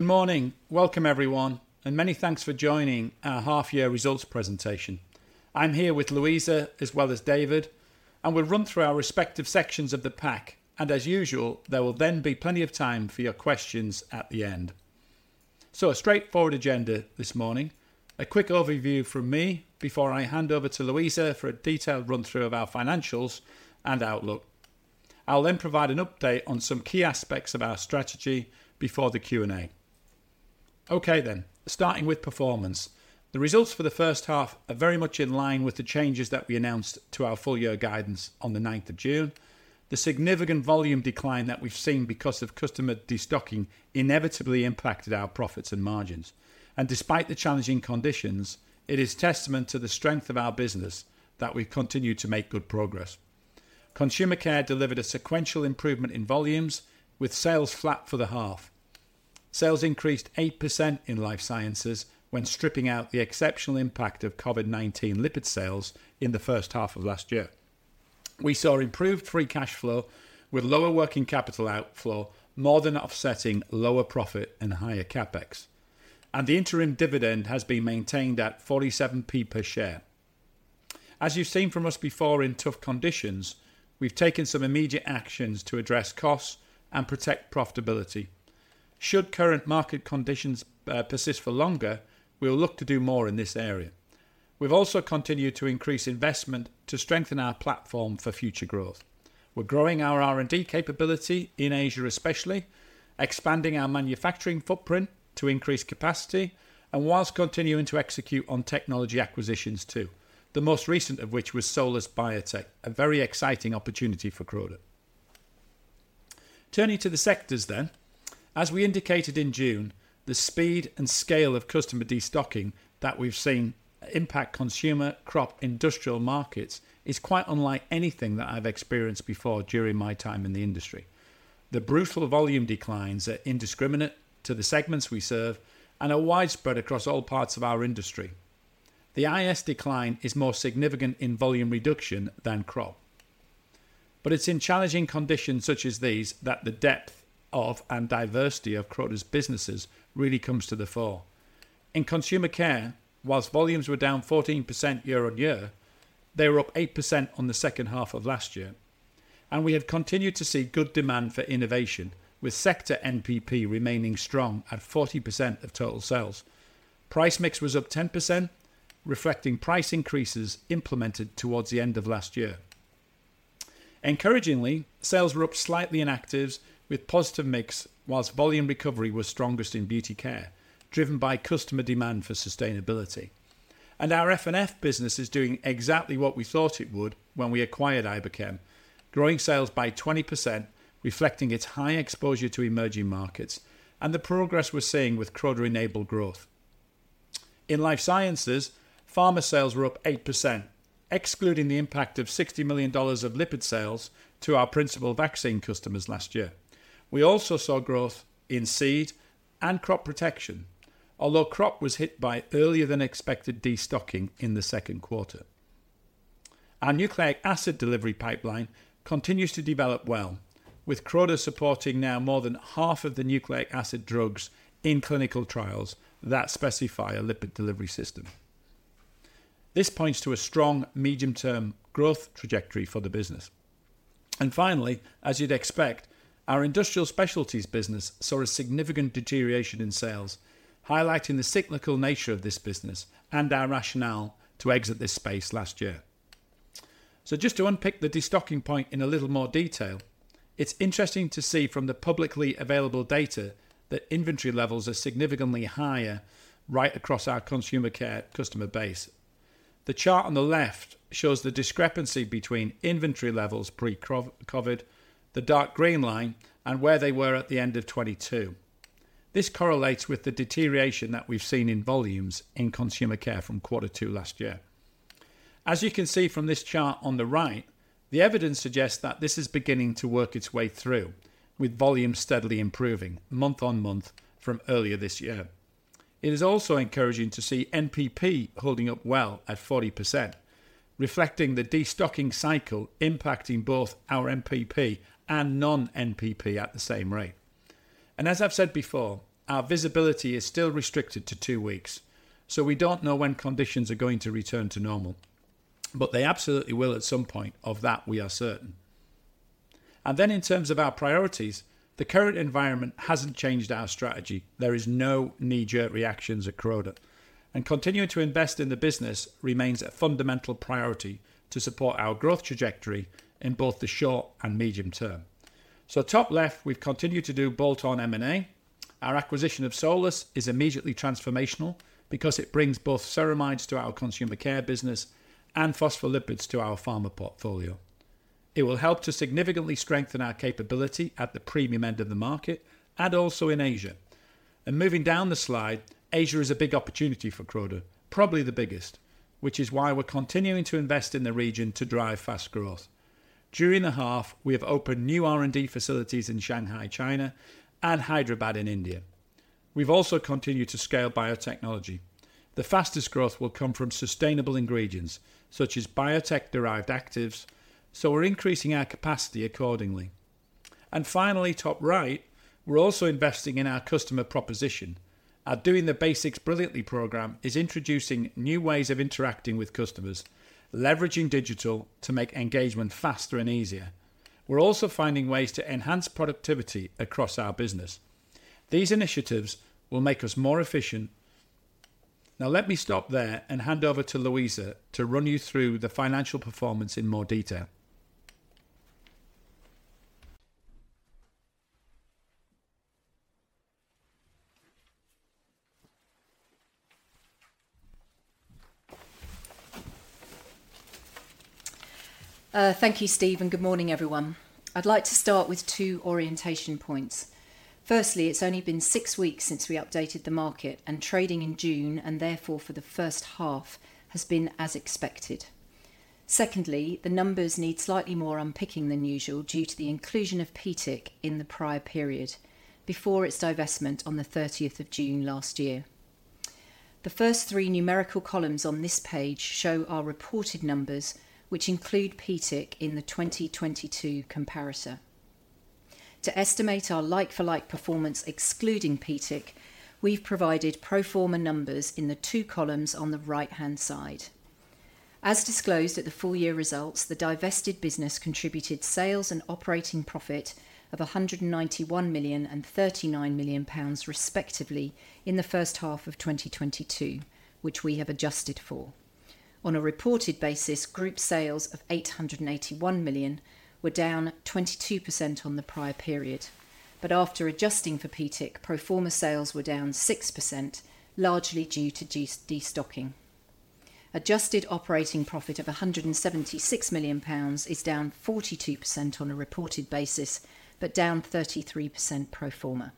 Good morning. Welcome, everyone, many thanks for joining our half-year results presentation. I'm here with Louisa, as well as David, and we'll run through our respective sections of the pack. As usual, there will then be plenty of time for your questions at the end. A straightforward agenda this morning. A quick overview from me before I hand over to Louisa for a detailed run-through of our financials and outlook. I'll provide an update on some key aspects of our strategy before the Q&A. Okay, starting with performance. The results for the first half are very much in line with the changes that we announced to our full-year guidance on the ninth of June. The significant volume decline that we've seen because of customer destocking inevitably impacted our profits and margins. Despite the challenging conditions, it is testament to the strength of our business that we continue to make good progress.. delivered a sequential improvement in volumes, with sales flat for the half. Sales increased 8% in Life Sciences when stripping out the exceptional impact of COVID-19 lipid sales in the first half of last year. We saw improved free cash flow, with lower working capital outflow, more than offsetting lower profit and higher CapEx. The interim dividend has been maintained at 47p per share. As you've seen from us before in tough conditions, we've taken some immediate actions to address costs and protect profitability. Should current market conditions persist for longer, we will look to do more in this area. We've also continued to increase investment to strengthen our platform for future growth. We're growing our R&D capability in Asia, especially, expanding our manufacturing footprint to increase capacity, whilst continuing to execute on technology acquisitions, too. The most recent of which was Solus Biotech, a very exciting opportunity for Croda. Turning to the sectors. As we indicated in June, the speed and scale of customer destocking that we've seen impact consumer crop industrial markets is quite unlike anything that I've experienced before during my time in the industry. The brutal volume declines are indiscriminate to the segments we serve and are widespread across all parts of our industry. The IS decline is more significant in volume reduction than crop. It's in challenging conditions such as these, that the depth of and diversity of Croda's businesses really comes to the fore. In Consumer Care, whilst volumes were down 14% year-on-year, they were up 8% on the second half of last year. We have continued to see good demand for innovation, with sector NPP remaining strong at 40% of total sales. Price mix was up 10%, reflecting price increases implemented towards the end of last year. Encouragingly, sales were up slightly in Actives with positive mix, whilst volume recovery was strongest in Beauty Care, driven by customer demand for sustainability. Our F&F business is doing exactly what we thought it would when we acquired Iberchem, growing sales by 20%, reflecting its high exposure to emerging markets and the progress we're seeing with Croda-enabled growth. In Life Sciences, Pharma sales were up 8%, excluding the impact of $60 million of lipid sales to our principal vaccine customers last year. We also saw growth in seed and crop protection, although Crop Protection was hit by earlier than expected destocking in the Q2. Our Nucleic Acid Delivery pipeline continues to develop well, with Croda supporting now more than half of the nucleic acid drugs in clinical trials that specify a lipid delivery system. This points to a strong medium-term growth trajectory for the business. Finally, as you'd expect, our Industrial Specialties business saw a significant deterioration in sales, highlighting the cyclical nature of this business and our rationale to exit this space last year. Just to unpick the destocking point in a little more detail, it's interesting to see from the publicly available data that inventory levels are significantly higher right across our Consumer Care customer base. The chart on the left shows the discrepancy between inventory levels pre-COVID, the dark green line, and where they were at the end of 2022. This correlates with the deterioration that we've seen in volumes in Consumer Care from Q2 last year. As you can see from this chart on the right, the evidence suggests that this is beginning to work its way through, with volume steadily improving month-on-month from earlier this year. It is also encouraging to see NPP holding up well at 40%, reflecting the destocking cycle, impacting both our NPP and non-NPP at the same rate. As I've said before, our visibility is still restricted to two weeks, so we don't know when conditions are going to return to normal, but they absolutely will at some point. Of that, we are certain. In terms of our priorities, the current environment hasn't changed our strategy. There is no knee-jerk reactions at Croda, and continuing to invest in the business remains a fundamental priority to support our growth trajectory in both the short and medium term. Top left, we've continued to do bolt-on M&A. Our acquisition of Solus is immediately transformational because it brings both ceramides to our Consumer Care business and phospholipids to our Pharma portfolio. It will help to significantly strengthen our capability at the premium end of the market and also in Asia. Moving down the slide, Asia is a big opportunity for Croda, probably the biggest, which is why we're continuing to invest in the region to drive fast growth. During the half, we have opened new R&D facilities in Shanghai, China, and Hyderabad in India. We've also continued to scale biotechnology. The fastest growth will come from sustainable ingredients, such as biotech-derived actives, so we're increasing our capacity accordingly. Finally, top right, we're also investing in our customer proposition. Our Doing the Basics Brilliantly program is introducing new ways of interacting with customers, leveraging digital to make engagement faster and easier. We're also finding ways to enhance productivity across our business. These initiatives will make us more efficient. Now, let me stop there and hand over to Louisa to run you through the financial performance in more detail. Thank you, Steve, good morning, everyone. I'd like to start with 2 orientation points. Firstly, it's only been 6 weeks since we updated the market, and trading in June, and therefore for the first half, has been as expected. Secondly, the numbers need slightly more unpicking than usual due to the inclusion of PTIC in the prior period, before its divestment on the 30th of June last year. The first 3 numerical columns on this page show our reported numbers, which include PTIC in the 2022 comparator. To estimate our like-for-like performance excluding PTIC, we've provided pro forma numbers in the 2 columns on the right-hand side. As disclosed at the full-year results, the divested business contributed sales and operating profit of GBP 191 million and GBP 39 million, respectively, in the first half of 2022, which we have adjusted for. On a reported basis, group sales of 881 million were down 22% on the prior period. After adjusting for PTIC, pro forma sales were down 6%, largely due to de-destocking. Adjusted operating profit of 176 million pounds is down 42% on a reported basis, but down 33% pro forma.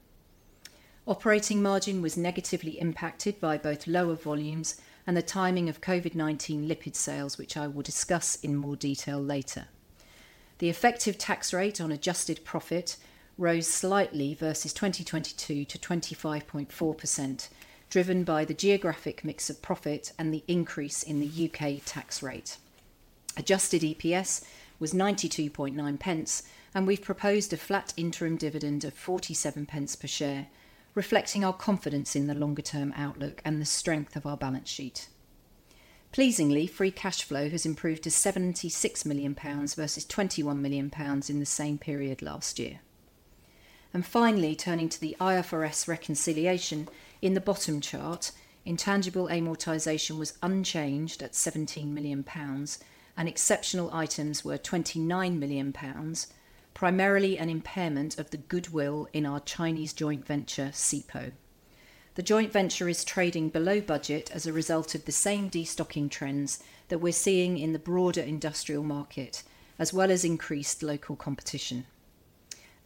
Operating margin was negatively impacted by both lower volumes and the timing of COVID-19 lipid sales, which I will discuss in more detail later. The effective tax rate on adjusted profit rose slightly versus 2022 to 25.4%, driven by the geographic mix of profit and the increase in the UK tax rate. Adjusted EPS was 0.929, and we've proposed a flat interim dividend of 0.47 per share, reflecting our confidence in the longer-term outlook and the strength of our balance sheet. Pleasingly, free cash flow has improved to 76 million pounds versus 21 million pounds in the same period last year. Finally, turning to the IFRS reconciliation, in the bottom chart, intangible amortization was unchanged at 17 million pounds, and exceptional items were 29 million pounds, primarily an impairment of the goodwill in our Chinese joint venture, SIPO. The joint venture is trading below budget as a result of the same destocking trends that we're seeing in the broader industrial market, as well as increased local competition.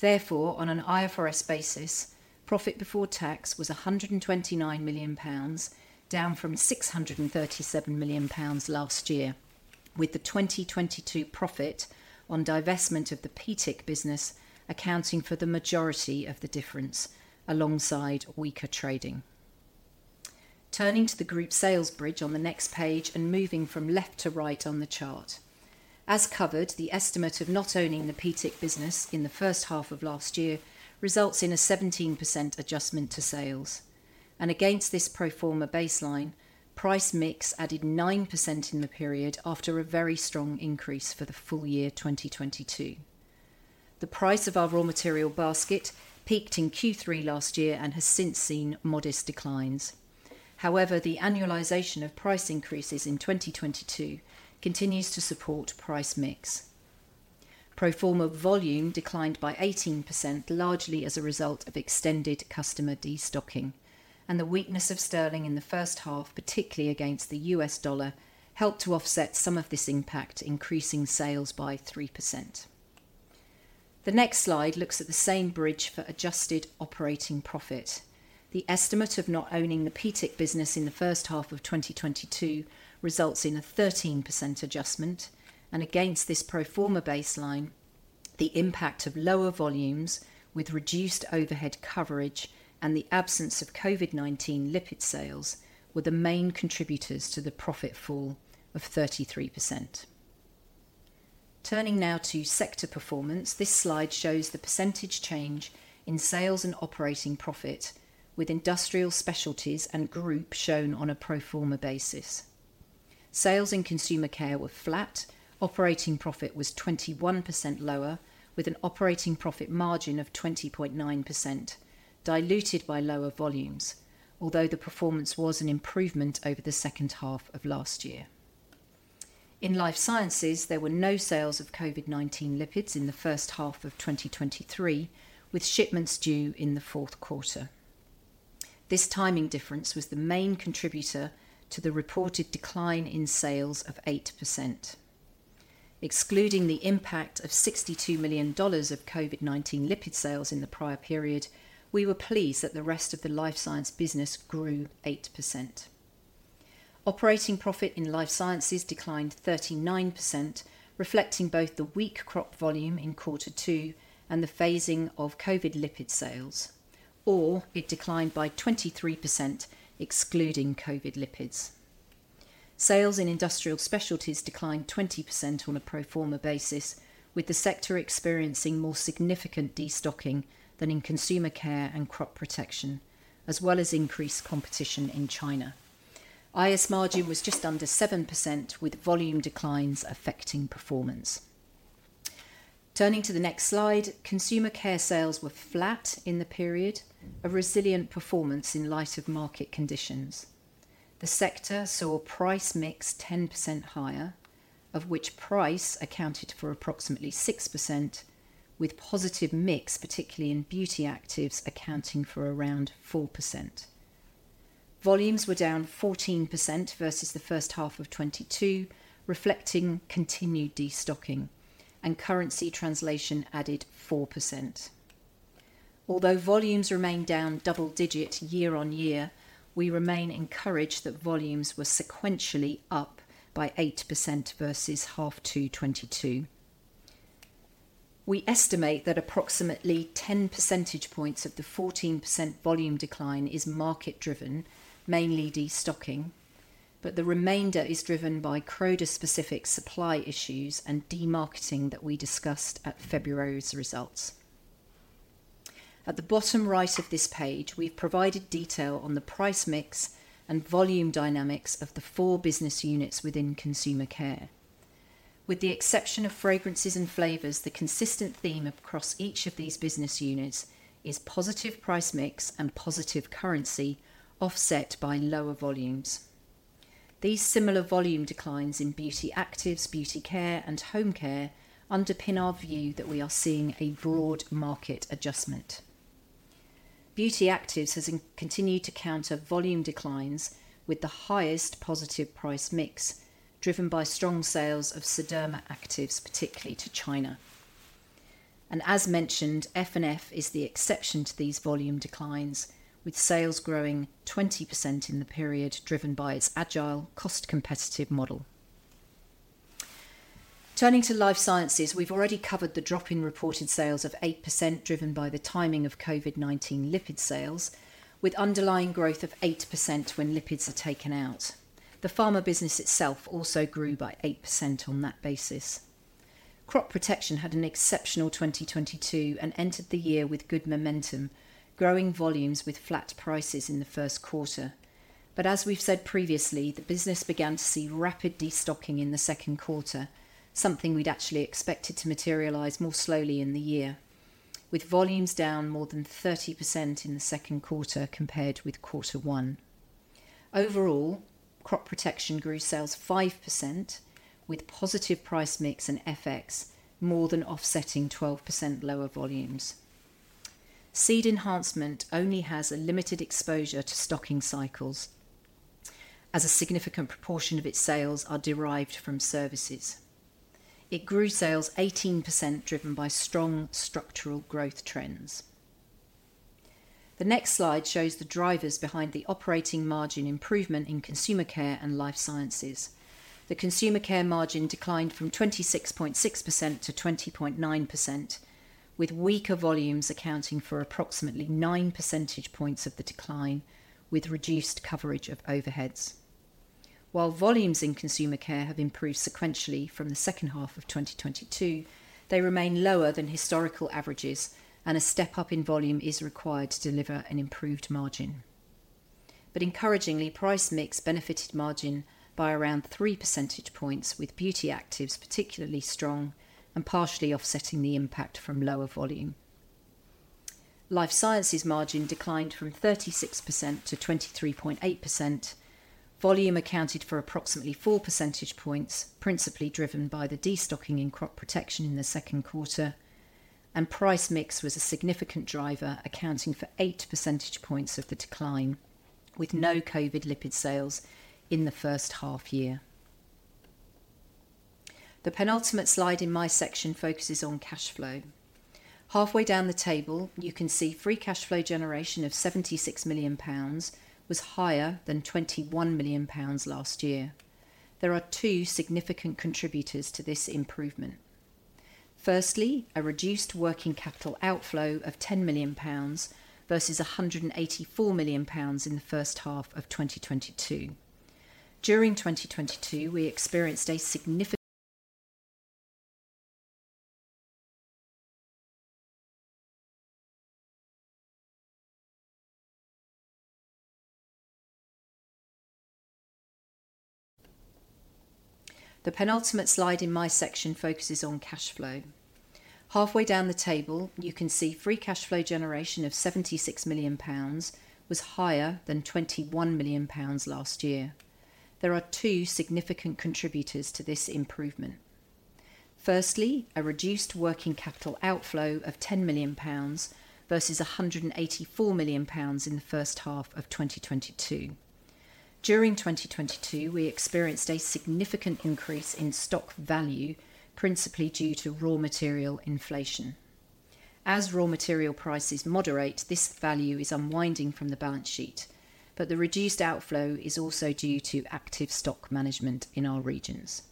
Therefore, on an IFRS basis, profit before tax was 129 million pounds, down from 637 million pounds last year, with the 2022 profit on divestment of the PTIC business accounting for the majority of the difference alongside weaker trading. Turning to the group sales bridge on the next page and moving from left to right on the chart. As covered, the estimate of not owning the PTIC business in the first half of last year results in a 17% adjustment to sales. Against this pro forma baseline, price mix added 9% in the period after a very strong increase for the full year 2022. The price of our raw material basket peaked in Q3 last year and has since seen modest declines. However, the annualization of price increases in 2022 continues to support price mix. Pro forma volume declined by 18%, largely as a result of extended customer destocking, and the weakness of sterling in the first half, particularly against the US dollar, helped to offset some of this impact, increasing sales by 3%. The next slide looks at the same bridge for adjusted operating profit. The estimate of not owning the PTIC business in the first half of 2022 results in a 13% adjustment. Against this pro forma baseline, the impact of lower volumes with reduced overhead coverage and the absence of COVID-19 lipid sales were the main contributors to the profit fall of 33%. Turning now to sector performance, this slide shows the percentage change in sales and operating profit, with Industrial Specialties and group shown on a pro forma basis. Sales in Consumer Care were flat. Operating profit was 21% lower, with an operating profit margin of 20.9%, diluted by lower volumes, although the performance was an improvement over the second half of last year. In Life Sciences, there were no sales of COVID-19 lipids in the first half of 2023, with shipments due in the Q4. This timing difference was the main contributor to the reported decline in sales of 8%. Excluding the impact of $62 million of COVID-19 lipid sales in the prior period, we were pleased that the rest of the Life Sciences business grew 8%. Operating profit in Life Sciences declined 39%, reflecting both the weak crop volume in quarter two and the phasing of COVID lipid sales. It declined by 23%, excluding COVID lipids. Sales in Industrial Specialties declined 20% on a pro forma basis, with the sector experiencing more significant destocking than in Consumer Care and Crop Protection, as well as increased competition in China. IS margin was just under 7%, with volume declines affecting performance. Turning to the next slide, Consumer Care sales were flat in the period, a resilient performance in light of market conditions. The sector saw price mix 10% higher, of which price accounted for approximately 6%, with positive mix, particularly in Beauty Actives, accounting for around 4%. Volumes were down 14% versus the first half of 2022, reflecting continued destocking, and currency translation added 4%. Although volumes remain down double-digit year-on-year, we remain encouraged that volumes were sequentially up by 8% versus half to 2022. The remainder is driven by Croda-specific supply issues and demarketing that we discussed at February's results. At the bottom right of this page, we've provided detail on the price mix and volume dynamics of the four business units within Consumer Care. With the exception of fragrances and flavors, the consistent theme across each of these business units is positive price mix and positive currency, offset by lower volumes. These similar volume declines in Beauty Actives, Beauty Care, and Home Care underpin our view that we are seeing a broad market adjustment. Beauty Actives has continued to counter volume declines with the highest positive price mix, driven by strong sales of Derm Actives, particularly to China. As mentioned, F&F is the exception to these volume declines, with sales growing 20% in the period, driven by its agile, cost-competitive model. Turning to Life Sciences, we've already covered the drop in reported sales of 8%, driven by the timing of COVID-19 lipid sales, with underlying growth of 8% when lipids are taken out. The Pharma business itself also grew by 8% on that basis. Crop Protection had an exceptional 2022 and entered the year with good momentum, growing volumes with flat prices in the. As we've said previously, the business began to see rapid destocking in the Q2, something we'd actually expected to materialize more slowly in the year, with volumes down more than 30% in the Q2 compared with quarter one. Overall, Crop Protection grew sales 5%, with positive price mix and FX more than offsetting 12% lower volumes. Seed Enhancement only has a limited exposure to stocking cycles as a significant proportion of its sales are derived from services. It grew sales 18%, driven by strong structural growth trends. The next slide shows the drivers behind the operating margin improvement in Consumer Care and Life Sciences. The Consumer Care margin declined from 26.6% to 20.9%, with weaker volumes accounting for approximately 9 percentage points of the decline, with reduced coverage of overheads. While volumes in Consumer Care have improved sequentially from the second half of 2022, they remain lower than historical averages, a step-up in volume is required to deliver an improved margin. Encouragingly, price mix benefited margin by around 3 percentage points, with Beauty Actives particularly strong and partially offsetting the impact from lower volume. Life Sciences margin declined from 36% to 23.8%. Volume accounted for approximately 4 percentage points, principally driven by the destocking in Crop Protection in the Q2, price mix was a significant driver, accounting for 8 percentage points of the decline, with no COVID-19 lipid sales in the first half year. The penultimate slide in my section focuses on cash flow. Halfway down the table, you can see free cash flow generation of 76 million pounds was higher than 21 million pounds last year. There are two significant contributors to this improvement. Firstly, a reduced working capital outflow of 10 million pounds versus 184 million pounds in the first half of 2022. During 2022, we experienced a significant increase in stock value, principally due to raw material inflation. As raw material prices moderate, this value is unwinding from the balance sheet, but the reduced outflow is also due to active stock management in our regions.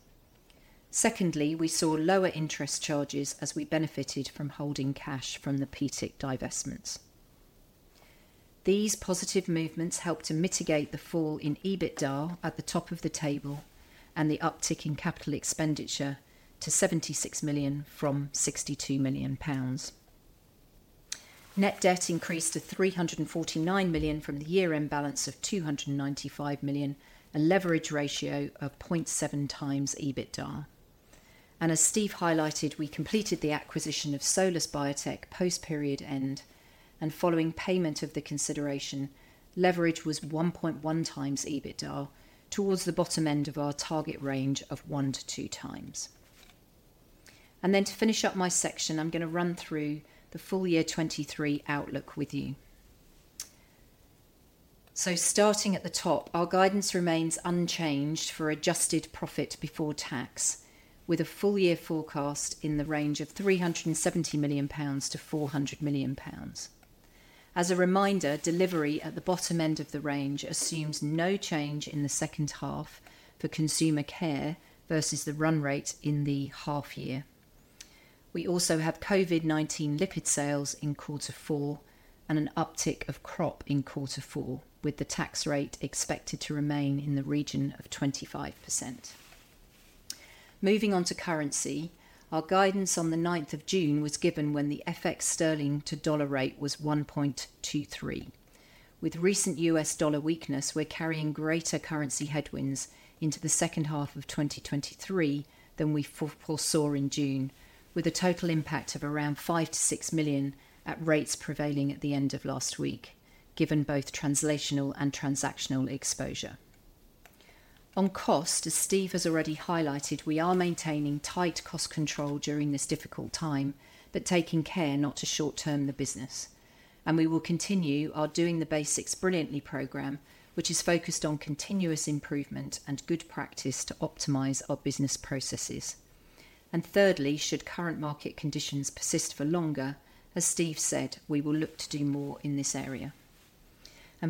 Secondly, we saw lower interest charges as we benefited from holding cash from the PTIC divestments. These positive movements helped to mitigate the fall in EBITDA at the top of the table and the uptick in capital expenditure to 76 million from 62 million pounds. Net debt increased to 349 million from the year-end balance of 295 million, a leverage ratio of 0.7 times EBITDA. As Steve highlighted, we completed the acquisition of Solus Biotech post-period end, and following payment of the consideration, leverage was 1.1x EBITDA, towards the bottom end of our target range of 1x-2x. Then to finish up my section, I'm gonna run through the full year 2023 outlook with you. Starting at the top, our guidance remains unchanged for adjusted profit before tax, with a full year forecast in the range of 370 million-400 million pounds. As a reminder, delivery at the bottom end of the range assumes no change in the second half for Consumer Care versus the run rate in the half year. We also have COVID-19 lipid sales in Q4 and an uptick of Crop in Q4, with the tax rate expected to remain in the region of 25%. Moving on to currency, our guidance on the 9th of June was given when the FX sterling to U.S. dollar rate was 1.23. With recent U.S. dollar weakness, we're carrying greater currency headwinds into the second half of 2023 than we foresaw in June, with a total impact of around 5 million-6 million at rates prevailing at the end of last week, given both translational and transactional exposure. On cost, as Steve has already highlighted, we are maintaining tight cost control during this difficult time, but taking care not to short-term the business, and we will continue our Doing the Basics Brilliantly program, which is focused on continuous improvement and good practice to optimize our business processes. Thirdly, should current market conditions persist for longer, as Steve said, we will look to do more in this area.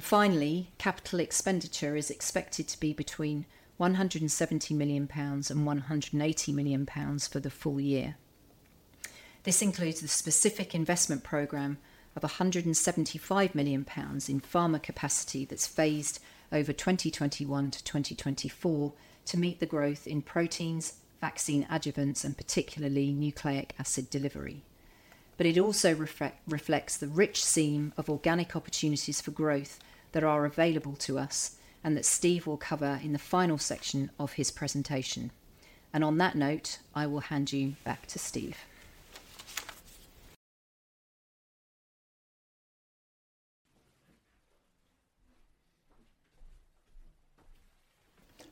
Finally, capital expenditure is expected to be between 170 million pounds and 180 million pounds for the full year. This includes the specific investment program of 175 million pounds in Pharma capacity that's phased over 2021-2024 to meet the growth in proteins, vaccine adjuvants, and particularly nucleic acid delivery. It also reflects the rich seam of organic opportunities for growth that are available to us and that Steve will cover in the final section of his presentation. On that note, I will hand you back to Steve.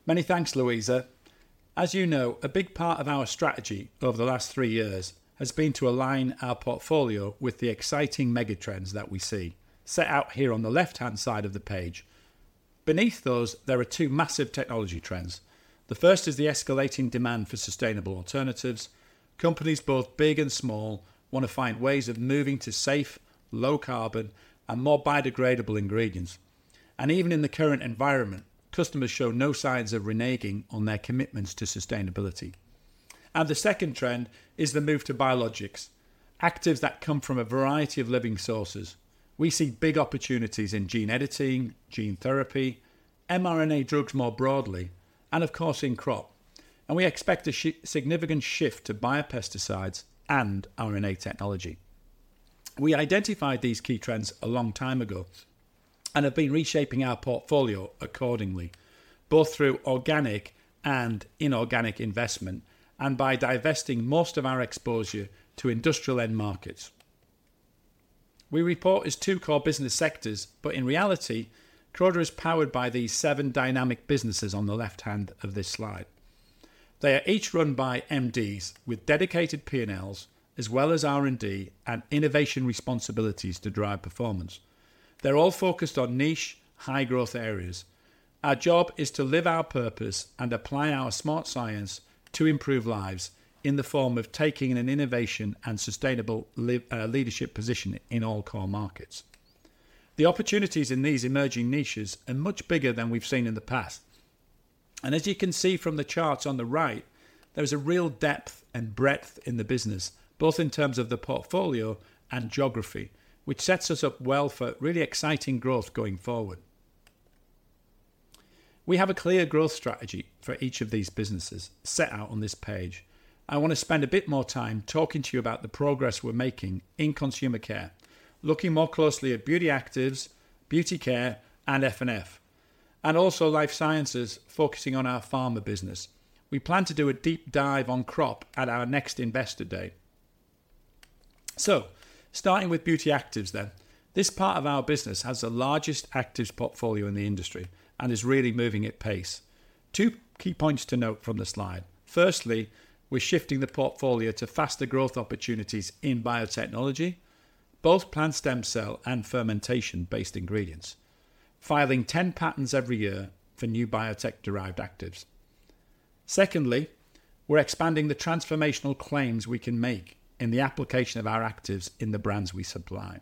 Many thanks, Louisa. As you know, a big part of our strategy over the last 3 years has been to align our portfolio with the exciting mega trends that we see, set out here on the left-hand side of the page. Beneath those, there are two massive technology trends. The first is the escalating demand for sustainable alternatives. Companies, both big and small, want to find ways of moving to safe, low carbon, and more biodegradable ingredients. Even in the current environment, customers show no signs of reneging on their commitments to sustainability. The second trend is the move to biologics, actives that come from a variety of living sources. We see big opportunities in gene editing, gene therapy, mRNA drugs more broadly, and of course, in crop. We expect a significant shift to biopesticides and RNA technology. We identified these key trends a long time ago and have been reshaping our portfolio accordingly, both through organic and inorganic investment, and by divesting most of our exposure to industrial end markets. We report as two core business sectors, but in reality, Croda is powered by these seven dynamic businesses on the left hand of this slide. They are each run by MDs with dedicated P&Ls, as well as R&D and innovation responsibilities to drive performance. They're all focused on niche, high-growth areas. Our job is to live our purpose and apply our smart science to improve lives in the form of taking in an innovation and sustainable leadership position in all core markets. The opportunities in these emerging niches are much bigger than we've seen in the past. As you can see from the charts on the right, there is a real depth and breadth in the business, both in terms of the portfolio and geography, which sets us up well for really exciting growth going forward. We have a clear growth strategy for each of these businesses set out on this page. I want to spend a bit more time talking to you about the progress we're making in Consumer Care, looking more closely at Beauty Actives, Beauty Care, and F&F, and also Life Sciences, focusing on our Pharma business. We plan to do a deep dive on crop at our next investor day. Starting with Beauty Actives then. This part of our business has the largest actives portfolio in the industry and is really moving at pace. Two key points to note from the slide: firstly, we're shifting the portfolio to faster growth opportunities in biotechnology, both plant stem cell and fermentation-based ingredients, filing 10 patents every year for new biotech-derived actives. secondly, we're expanding the transformational claims we can make in the application of our actives in the brands we supply.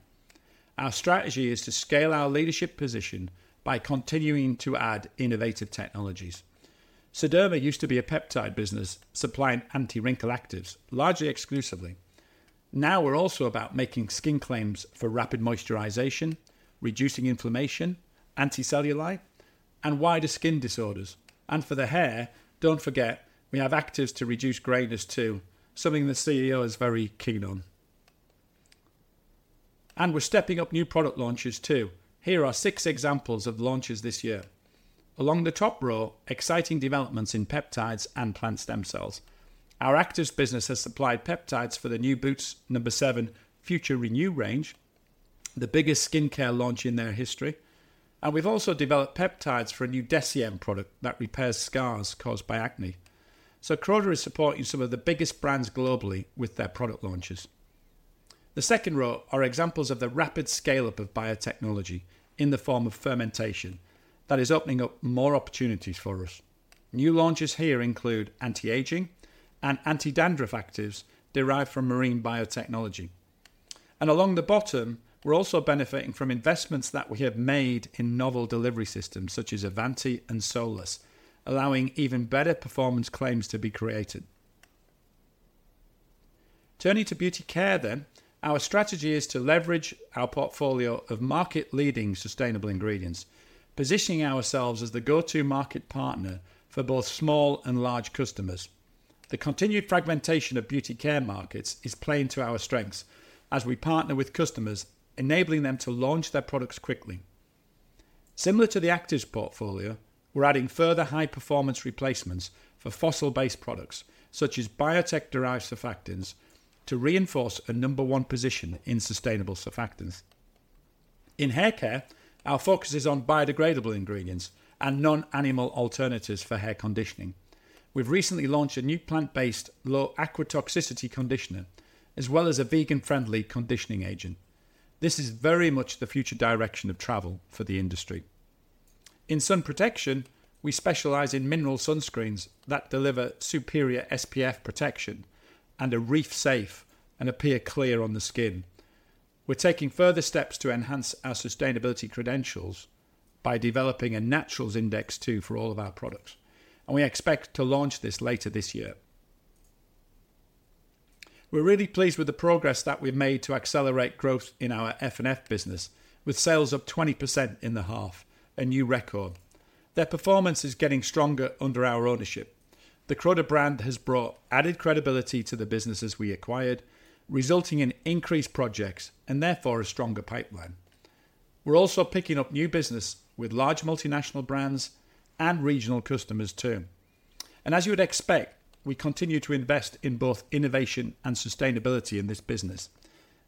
Our strategy is to scale our leadership position by continuing to add innovative technologies. Sederma used to be a peptide business supplying anti-wrinkle actives, largely exclusively. Now we're also about making skin claims for rapid moisturization, reducing inflammation, anti-cellulite, and wider skin disorders, and for the hair, don't forget, we have actives to reduce grayness, too, something the CEO is very keen on. And we're stepping up new product launches, too. Here are six examples of launches this year. Along the top row, exciting developments in peptides and plant stem cells. Our actives business has supplied peptides for the new Boots No. 7 Future Renew range, the biggest skincare launch in their history, and we've also developed peptides for a new DECIEM product that repairs scars caused by acne. Croda is supporting some of the biggest brands globally with their product launches. The second row are examples of the rapid scale-up of biotechnology in the form of fermentation that is opening up more opportunities for us. New launches here include anti-aging and anti-dandruff actives derived from marine biotechnology. Along the bottom, we're also benefiting from investments that we have made in novel delivery systems, such as Avanti and Solus, allowing even better performance claims to be created. Turning to Beauty Care, our strategy is to leverage our portfolio of market-leading sustainable ingredients, positioning ourselves as the go-to market partner for both small and large customers. The continued fragmentation of Beauty Care markets is playing to our strengths as we partner with customers, enabling them to launch their products quickly. Similar to the Actives portfolio, we're adding further high-performance replacements for fossil-based products, such as biotech-derived surfactants, to reinforce a number one position in sustainable surfactants. In hair care, our focus is on biodegradable ingredients and non-animal alternatives for hair conditioning. We've recently launched a new plant-based, low aquotoxicity conditioner, as well as a vegan-friendly conditioning agent. This is very much the future direction of travel for the industry. In sun protection, we specialize in mineral sunscreens that deliver superior SPF protection and are reef safe and appear clear on the skin. We're taking further steps to enhance our sustainability credentials by developing a Naturals Index, too, for all of our products, and we expect to launch this later this year. We're really pleased with the progress that we've made to accelerate growth in our F&F business, with sales up 20% in the half, a new record. Their performance is getting stronger under our ownership. The Croda brand has brought added credibility to the businesses we acquired, resulting in increased projects and therefore a stronger pipeline. We're also picking up new business with large multinational brands and regional customers, too. As you would expect, we continue to invest in both innovation and sustainability in this business.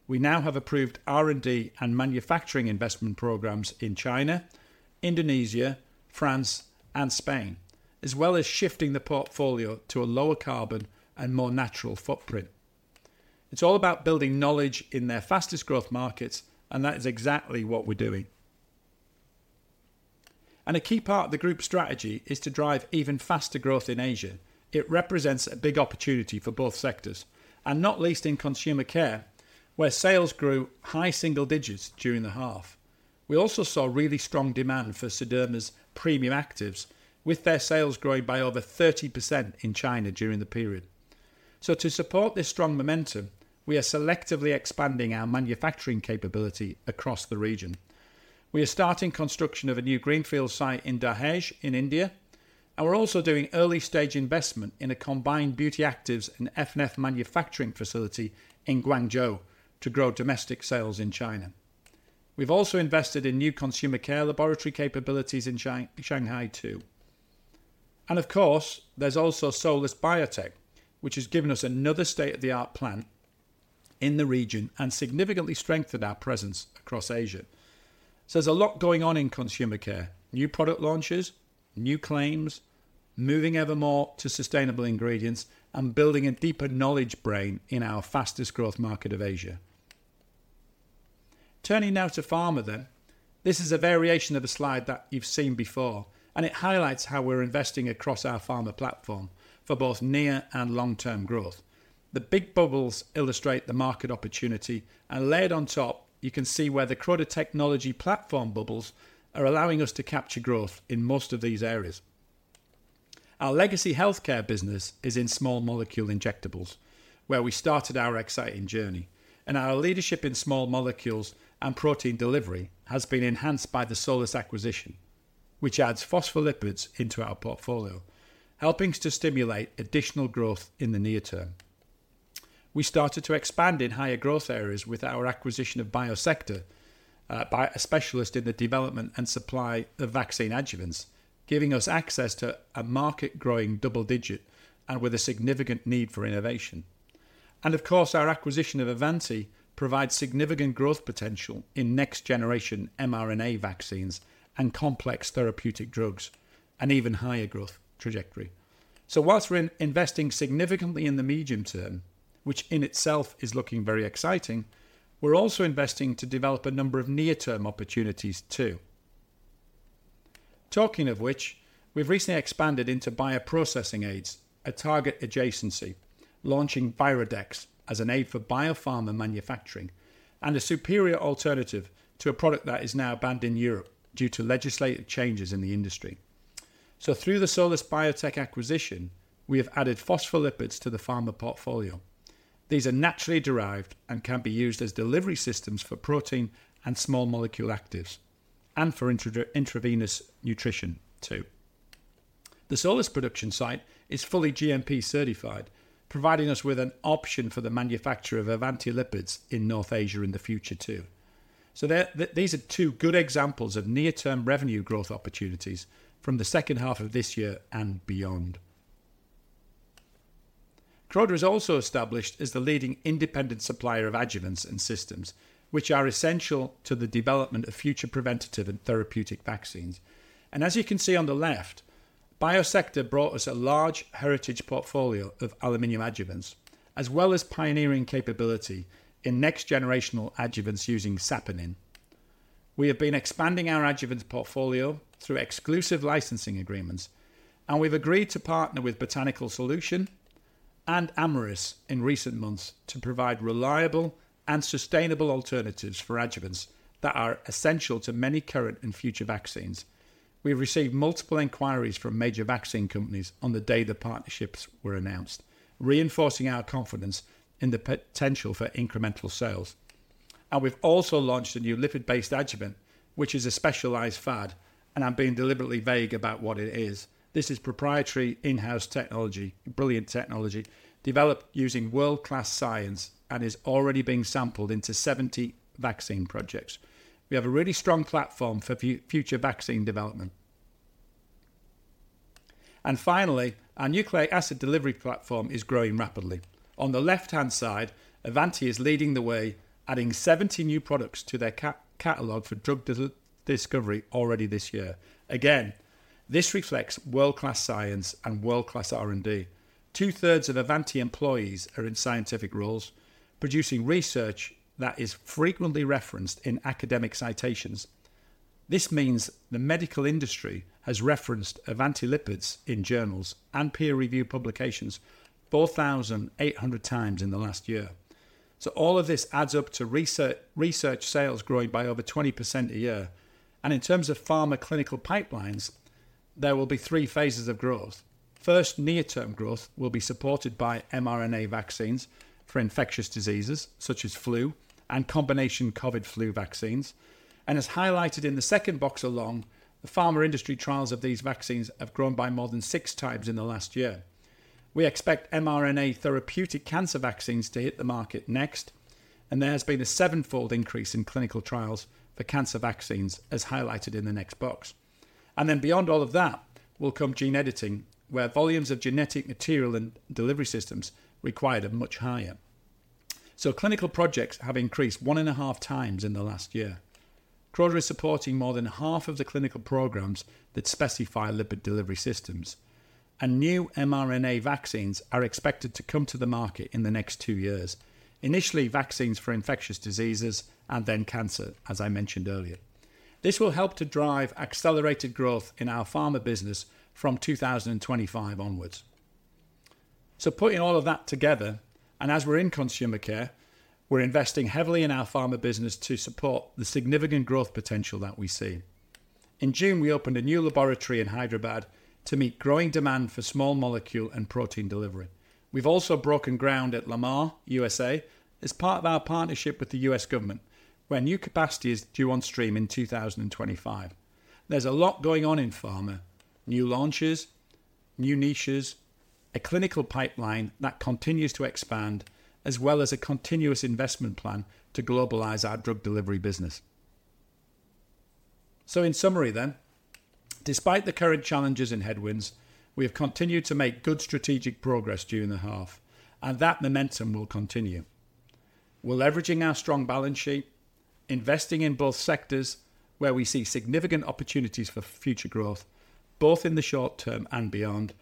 We now have approved R&D and manufacturing investment programs in China, Indonesia, France, and Spain, as well as shifting the portfolio to a lower carbon and more natural footprint. It's all about building knowledge in their fastest growth markets, and that is exactly what we're doing. A key part of the group strategy is to drive even faster growth in Asia. It represents a big opportunity for both sectors, not least in Consumer Care, where sales grew high single digits during the half. We also saw really strong demand for Sederma's premium actives, with their sales growing by over 30% in China during the period. To support this strong momentum, we are selectively expanding our manufacturing capability across the region. We are starting construction of a new greenfield site in Dahej in India, we're also doing early-stage investment in a combined Beauty Actives and F&F manufacturing facility in Guangzhou to grow domestic sales in China. We've also invested in new Consumer Care laboratory capabilities in Shanghai, too. Of course, there's also Solus Biotech, which has given us another state-of-the-art plant in the region and significantly strengthened our presence across Asia. There's a lot going on in Consumer Care, new product launches, new claims, moving ever more to sustainable ingredients, and building a deeper knowledge brain in our fastest growth market of Asia. Turning now to Pharma, this is a variation of a slide that you've seen before, and it highlights how we're investing across our Pharma platform for both near and long-term growth. The big bubbles illustrate the market opportunity, and layered on top, you can see where the Croda technology platform bubbles are allowing us to capture growth in most of these areas. Our legacy healthcare business is in small molecule injectables, where we started our exciting journey, and our leadership in small molecules and protein delivery has been enhanced by the Solus acquisition, which adds phospholipids into our portfolio, helping us to stimulate additional growth in the near term. We started to expand in higher growth areas with our acquisition of Biosector, by a specialist in the development and supply of vaccine adjuvants, giving us access to a market growing double-digit and with a significant need for innovation. Of course, our acquisition of Avanti provides significant growth potential in next-generation mRNA vaccines and complex therapeutic drugs, an even higher growth trajectory. Whilst we're investing significantly in the medium term, which in itself is looking very exciting, we're also investing to develop a number of near-term opportunities, too. Talking of which, we've recently expanded into bioprocessing aids, a target adjacency, launching Virodex as an aid for bioPharma manufacturing, and a superior alternative to a product that is now banned in Europe due to legislative changes in the industry. Through the Solus Biotech acquisition, we have added phospholipids to the Pharma portfolio. These are naturally derived and can be used as delivery systems for protein and small molecule actives, and for intra- intravenous nutrition, too. The Solus production site is fully GMP certified, providing us with an option for the manufacture of Avanti lipids in North Asia in the future, too. These are two good examples of near-term revenue growth opportunities from the second half of this year and beyond. Croda is also established as the leading independent supplier of adjuvants and systems, which are essential to the development of future preventative and therapeutic vaccines. As you can see on the left, Biosector brought us a large heritage portfolio of aluminum adjuvants, as well as pioneering capability in next-generational adjuvants using saponin. We have been expanding our adjuvants portfolio through exclusive licensing agreements, and we've agreed to partner with Botanical Solution and Amyris in recent months to provide reliable and sustainable alternatives for adjuvants that are essential to many current and future vaccines. We've received multiple inquiries from major vaccine companies on the day the partnerships were announced, reinforcing our confidence in the potential for incremental sales. We've also launched a new lipid-based adjuvant, which is a specialized fad, and I'm being deliberately vague about what it is. This is proprietary in-house technology, brilliant technology, developed using world-class science and is already being sampled into 70 vaccine projects. We have a really strong platform for future vaccine development. Finally, our Nucleic Acid Delivery platform is growing rapidly. On the left-hand side, Avanti is leading the way, adding 70 new products to their catalog for drug discovery already this year. This reflects world-class science and world-class R&D. Two-thirds of Avanti employees are in scientific roles, producing research that is frequently referenced in academic citations. This means the medical industry has referenced Avanti lipids in journals and peer-review publications 4,800 times in the last year. All of this adds up to research sales growing by over 20% a year. In terms of Pharma clinical pipelines, there will be 3 phases of growth. First, near-term growth will be supported by mRNA vaccines for infectious diseases, such as flu and combination COVID flu vaccines. As highlighted in the second box along, the Pharma industry trials of these vaccines have grown by more than 6 times in the last year. We expect mRNA therapeutic cancer vaccines to hit the market next. There has been a sevenfold increase in clinical trials for cancer vaccines, as highlighted in the next box. Beyond all of that, will come gene editing, where volumes of genetic material and delivery systems required are much higher. Clinical projects have increased 1.5 times in the last year. Croda is supporting more than half of the clinical programs that specify lipid delivery systems. New mRNA vaccines are expected to come to the market in the next two years. Initially, vaccines for infectious diseases and then cancer, as I mentioned earlier. This will help to drive accelerated growth in our Pharma business from 2025 onwards. Putting all of that together, as we're in Consumer Care, we're investing heavily in our Pharma business to support the significant growth potential that we see. In June, we opened a new laboratory in Hyderabad to meet growing demand for small molecule and protein delivery. We've also broken ground at Lamar, USA, as part of our partnership with the U.S. government, where new capacity is due on stream in 2025. There's a lot going on in Pharma: new launches, new niches, a clinical pipeline that continues to expand, as well as a continuous investment plan to globalize our drug delivery business. In summary then, despite the current challenges and headwinds, we have continued to make good strategic progress during the half, and that momentum will continue. We're leveraging our strong balance sheet, investing in both sectors where we see significant opportunities for future growth, both in the short term and beyond.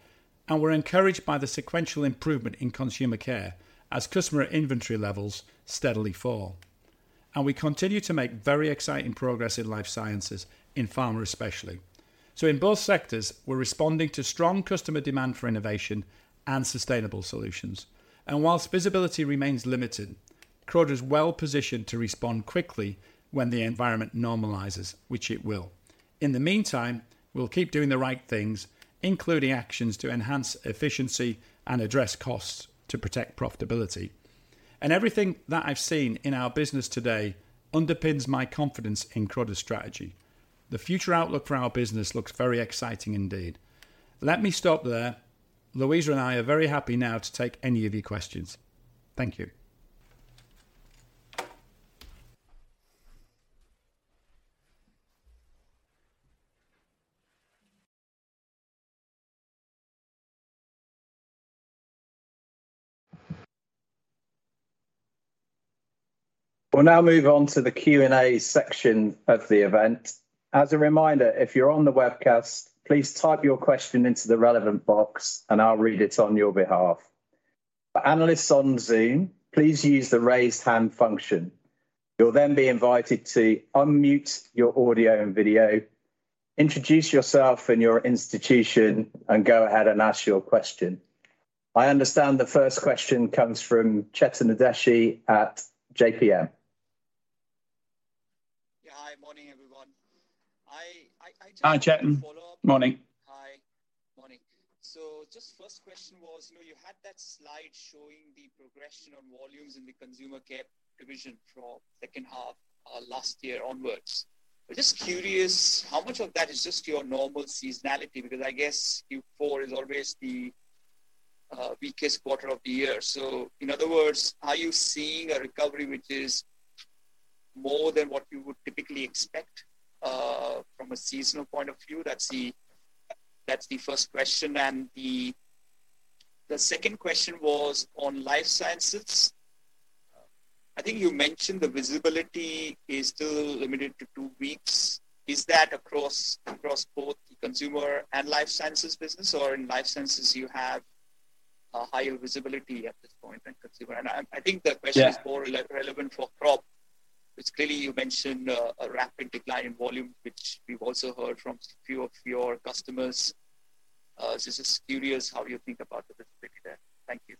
We're encouraged by the sequential improvement in Consumer Care as customer inventory levels steadily fall. We continue to make very exciting progress in Life Sciences, in Pharma, especially. In both sectors, we're responding to strong customer demand for innovation and sustainable solutions. Whilst visibility remains limited, Croda is well positioned to respond quickly when the environment normalizes, which it will. In the meantime, we'll keep doing the right things, including actions to enhance efficiency and address costs to protect profitability. Everything that I've seen in our business today underpins my confidence in Croda's strategy. The future outlook for our business looks very exciting indeed. Let me stop there. Louisa and I are very happy now to take any of your questions. Thank you. We'll now move on to the Q&A section of the event. As a reminder, if you're on the webcast, please type your question into the relevant box, and I'll read it on your behalf. For analysts on Zoom, please use the Raise Hand function. You will then be invited to unmute your audio and video, introduce yourself and your institution, and go ahead and ask your question. I understand the first question comes from Chetan Udeshi at JPM. Yeah. Hi, morning, everyone. Hi, Chetan. Morning. Hi. Morning. Just first question was, you know, you had that slide showing the progression on volumes in the Consumer Care division from second half last year onwards. I'm just curious, how much of that is just your normal seasonality? Because I guess Q4 is always the weakest quarter of the year. In other words, are you seeing a recovery which is more than what you would typically expect from a seasonal point of view? That's the first question. The second question was on Life Sciences. I think you mentioned the visibility is still limited to two weeks. Is that across both the Consumer and Life Sciences business, or in Life Sciences you have a higher visibility at this point than Consumer? I think the question- Yeah is more relevant for Crop, which clearly you mentioned, a rapid decline in volume, which we've also heard from a few of your customers. Just curious how you think about the visibility there. Thank you.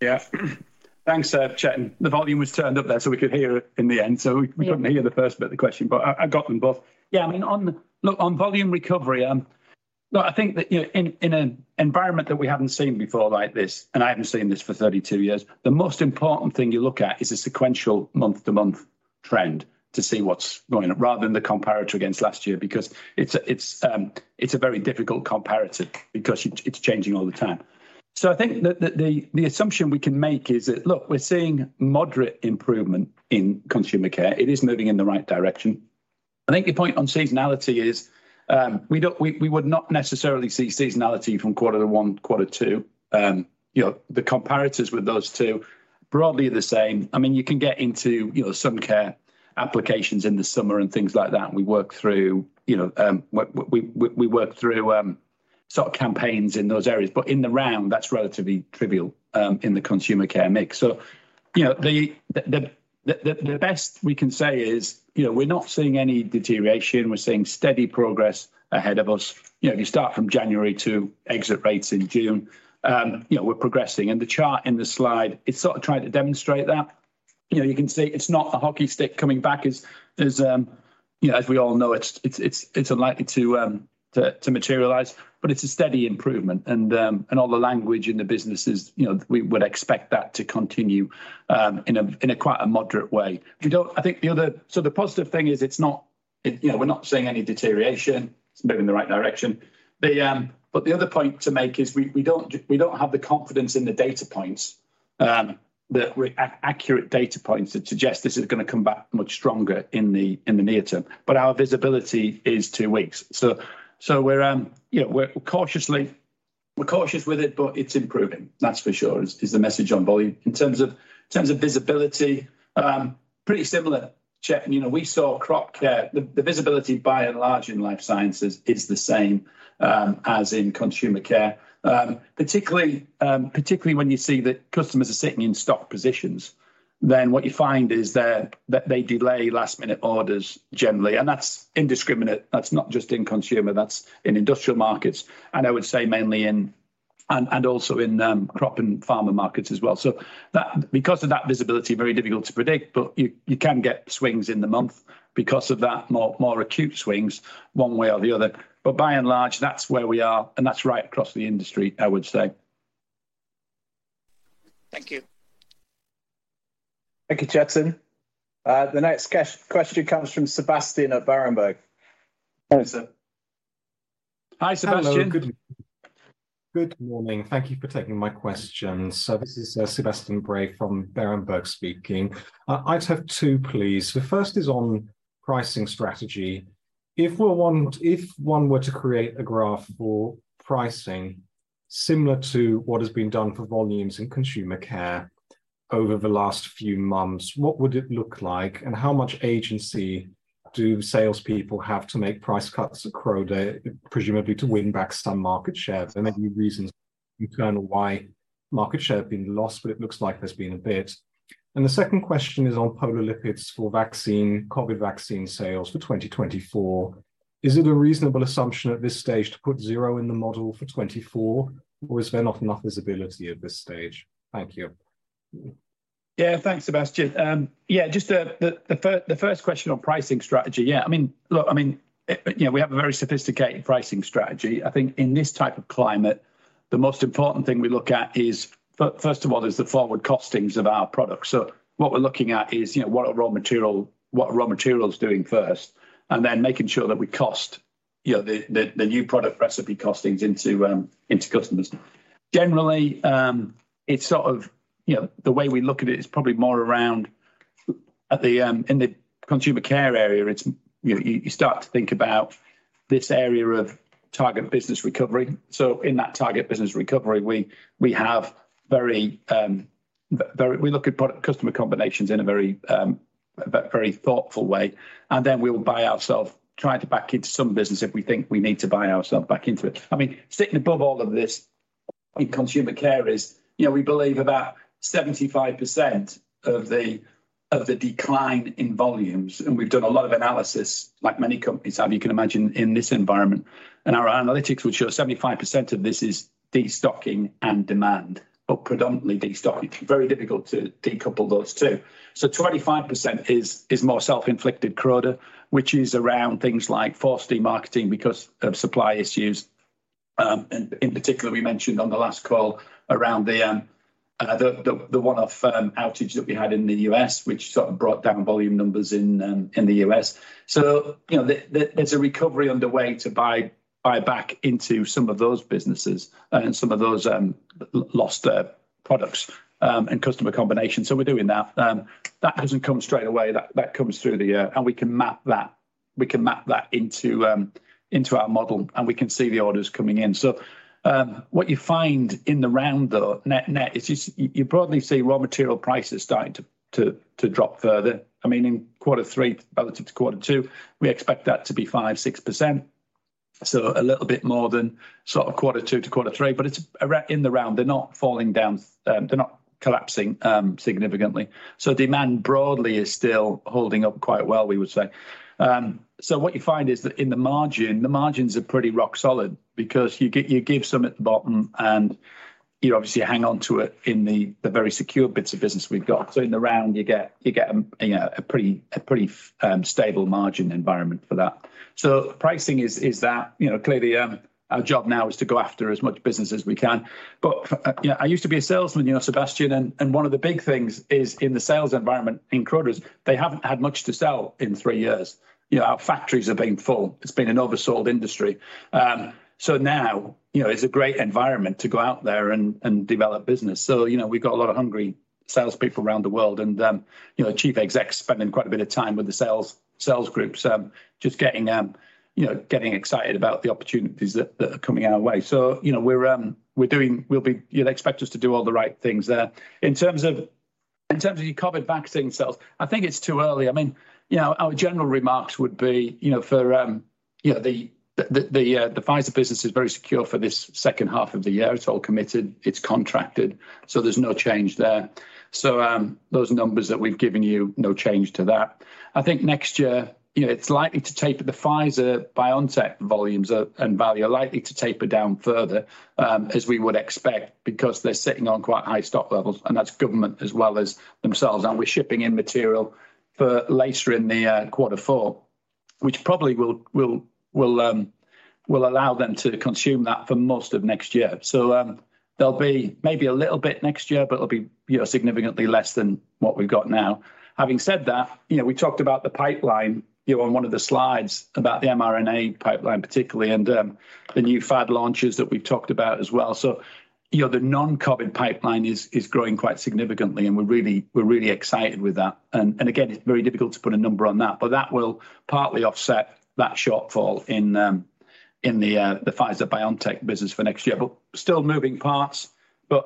Yeah. Thanks, Chetan. The volume was turned up there, we could hear it in the end. Yeah. We couldn't hear the first bit of the question, but I got them both. I mean, on the look, on volume recovery, I think that, you know, in an environment that we haven't seen before like this, and I haven't seen this for 32 years, the most important thing you look at is a sequential month-to-month trend to see what's going on, rather than the comparator against last year. It's a very difficult comparator because it's changing all the time. I think that the assumption we can make is that, look, we're seeing moderate improvement in Consumer Care. It is moving in the right direction. I think your point on seasonality is, we would not necessarily see seasonality from quarter one to quarter two. You know, the comparators with those two are broadly the same. I mean, you can get into, you know, some care applications in the summer and things like that, and we work through, you know, we work through sort of campaigns in those areas. In the round, that's relatively trivial in the Consumer Care mix. You know, the best we can say is, you know, we're not seeing any deterioration, we're seeing steady progress ahead of us. You know, if you start from January to exit rates in June, you know, we're progressing. The chart in the slide, it's sort of trying to demonstrate that. You know, you can see it's not a hockey stick coming back as you know, as we all know, it's unlikely to materialize, but it's a steady improvement. All the language in the business is, you know, we would expect that to continue in a quite a moderate way. I think the other. The positive thing is it's not. You know, we're not seeing any deterioration. It's moving in the right direction. The other point to make is we don't have the confidence in the data points, the accurate data points that suggest this is gonna come back much stronger in the near term. Our visibility is two weeks. We're, you know, we're cautiously, we're cautious with it, but it's improving, that's for sure, is the message on volume. In terms of visibility, pretty similar, Chetan. You know, we saw Crop Care, the visibility, by and large, in Life Sciences is the same as in Consumer Care. Particularly when you see that customers are sitting in stock positions, then what you find is that they delay last-minute orders generally, and that's indiscriminate. That's not just in consumer, that's in industrial markets, and I would say also in crop and farmer markets as well. Because of that visibility, very difficult to predict, but you can get swings in the month because of that, more acute swings one way or the other. By and large, that's where we are, and that's right across the industry, I would say. Thank you. Thank you, Chetan. The next question comes from Sebastian at Berenberg. Hi, Sebastian. Hello. Good morning. Thank you for taking my question. This is Sebastian Bray from Berenberg speaking. I just have two, please. The first is on pricing strategy. If one were to create a graph for pricing similar to what has been done for volumes in Consumer Care over the last few months, what would it look like? How much agency do salespeople have to make price cuts across the board, presumably to win back some market share? There may be reasons internal why market share has been lost, but it looks like there's been a bit. The second question is on polar lipids for vaccine, COVID-19 vaccine sales for 2024. Is it a reasonable assumption at this stage to put zero in the model for 2024, or is there not enough visibility at this stage? Thank you. Yeah. Thanks, Sebastian. Yeah, just the first question on pricing strategy. Yeah, I mean, look, I mean, you know, we have a very sophisticated pricing strategy. I think in this type of climate, the most important thing we look at is, first of all, is the forward costings of our products. So what we're looking at is, you know, what are raw materials doing first, and then making sure that we cost, you know, the new product recipe costings into customers. Generally, it's sort of, you know, the way we look at it is probably more around at the. In the Consumer Care area, it's, you know, you start to think about this area of target business recovery. In that target business recovery, we have very, we look at product customer combinations in a very, but very thoughtful way, and then we will buy ourselves, try to back into some business if we think we need to buy ourselves back into it. I mean, sitting above all of this in Consumer Care is, you know, we believe about 75% of the, of the decline in volumes, and we've done a lot of analysis, like many companies have, you can imagine, in this environment. Our analytics would show 75% of this is destocking and demand, but predominantly destocking. Very difficult to decouple those two. 25% is more self-inflicted Croda, which is around things like forced demarketing because of supply issues. In particular, we mentioned on the last call around the one-off outage that we had in the US, which sort of brought down volume numbers in the US. You know, there's a recovery underway to buy back into some of those businesses and some of those lost products and customer combinations. We're doing that. That doesn't come straight away, that comes through the. We can map that into our model, and we can see the orders coming in. What you find in the round, though, net, is you probably see raw material prices starting to drop further. I mean, in quarter 3, relative to quarter 2, we expect that to be 5%-6%. A little bit more than sort of quarter 2 to quarter 3, but it's in the round. They're not falling down, they're not collapsing significantly. Demand broadly is still holding up quite well, we would say. What you find is that in the margin, the margins are pretty rock solid because you give some at the bottom, and you obviously hang on to it in the very secure bits of business we've got. In the round, you get, you get, you know, a pretty, a pretty, stable margin environment for that. Pricing is that. You know, clearly, our job now is to go after as much business as we can. You know, I used to be a salesman, you know, Sebastian, and one of the big things is in the sales environment in Croda is they haven't had much to sell in three years. You know, our factories have been full. It's been an oversold industry. Now, you know, it's a great environment to go out there and develop business. You know, we've got a lot of hungry salespeople around the world, and, you know, chief execs spending quite a bit of time with the sales groups, just getting, you know, getting excited about the opportunities that are coming our way. You know, we're doing, you'd expect us to do all the right things there. In terms of your COVID vaccine sales, I think it's too early. I mean, you know, our general remarks would be, you know, for, you know, the, the Pfizer business is very secure for this second half of the year. It's all committed, it's contracted, so there's no change there. Those numbers that we've given you, no change to that. I think next year, you know, it's likely to taper. The Pfizer-BioNTech volumes and value are likely to taper down further as we would expect, because they're sitting on quite high stock levels, and that's government as well as themselves. We're shipping in material for later in the quarter four, which probably will allow them to consume that for most of next year. There'll be maybe a little bit next year, but it'll be, you know, significantly less than what we've got now. Having said that, you know, we talked about the pipeline, you know, on one of the slides about the mRNA pipeline particularly, and the new fad launches that we've talked about as well. You know, the non-COVID pipeline is growing quite significantly, and we're really excited with that. Again, it's very difficult to put a number on that, but that will partly offset that shortfall in the Pfizer-BioNTech business for next year. Still moving parts, but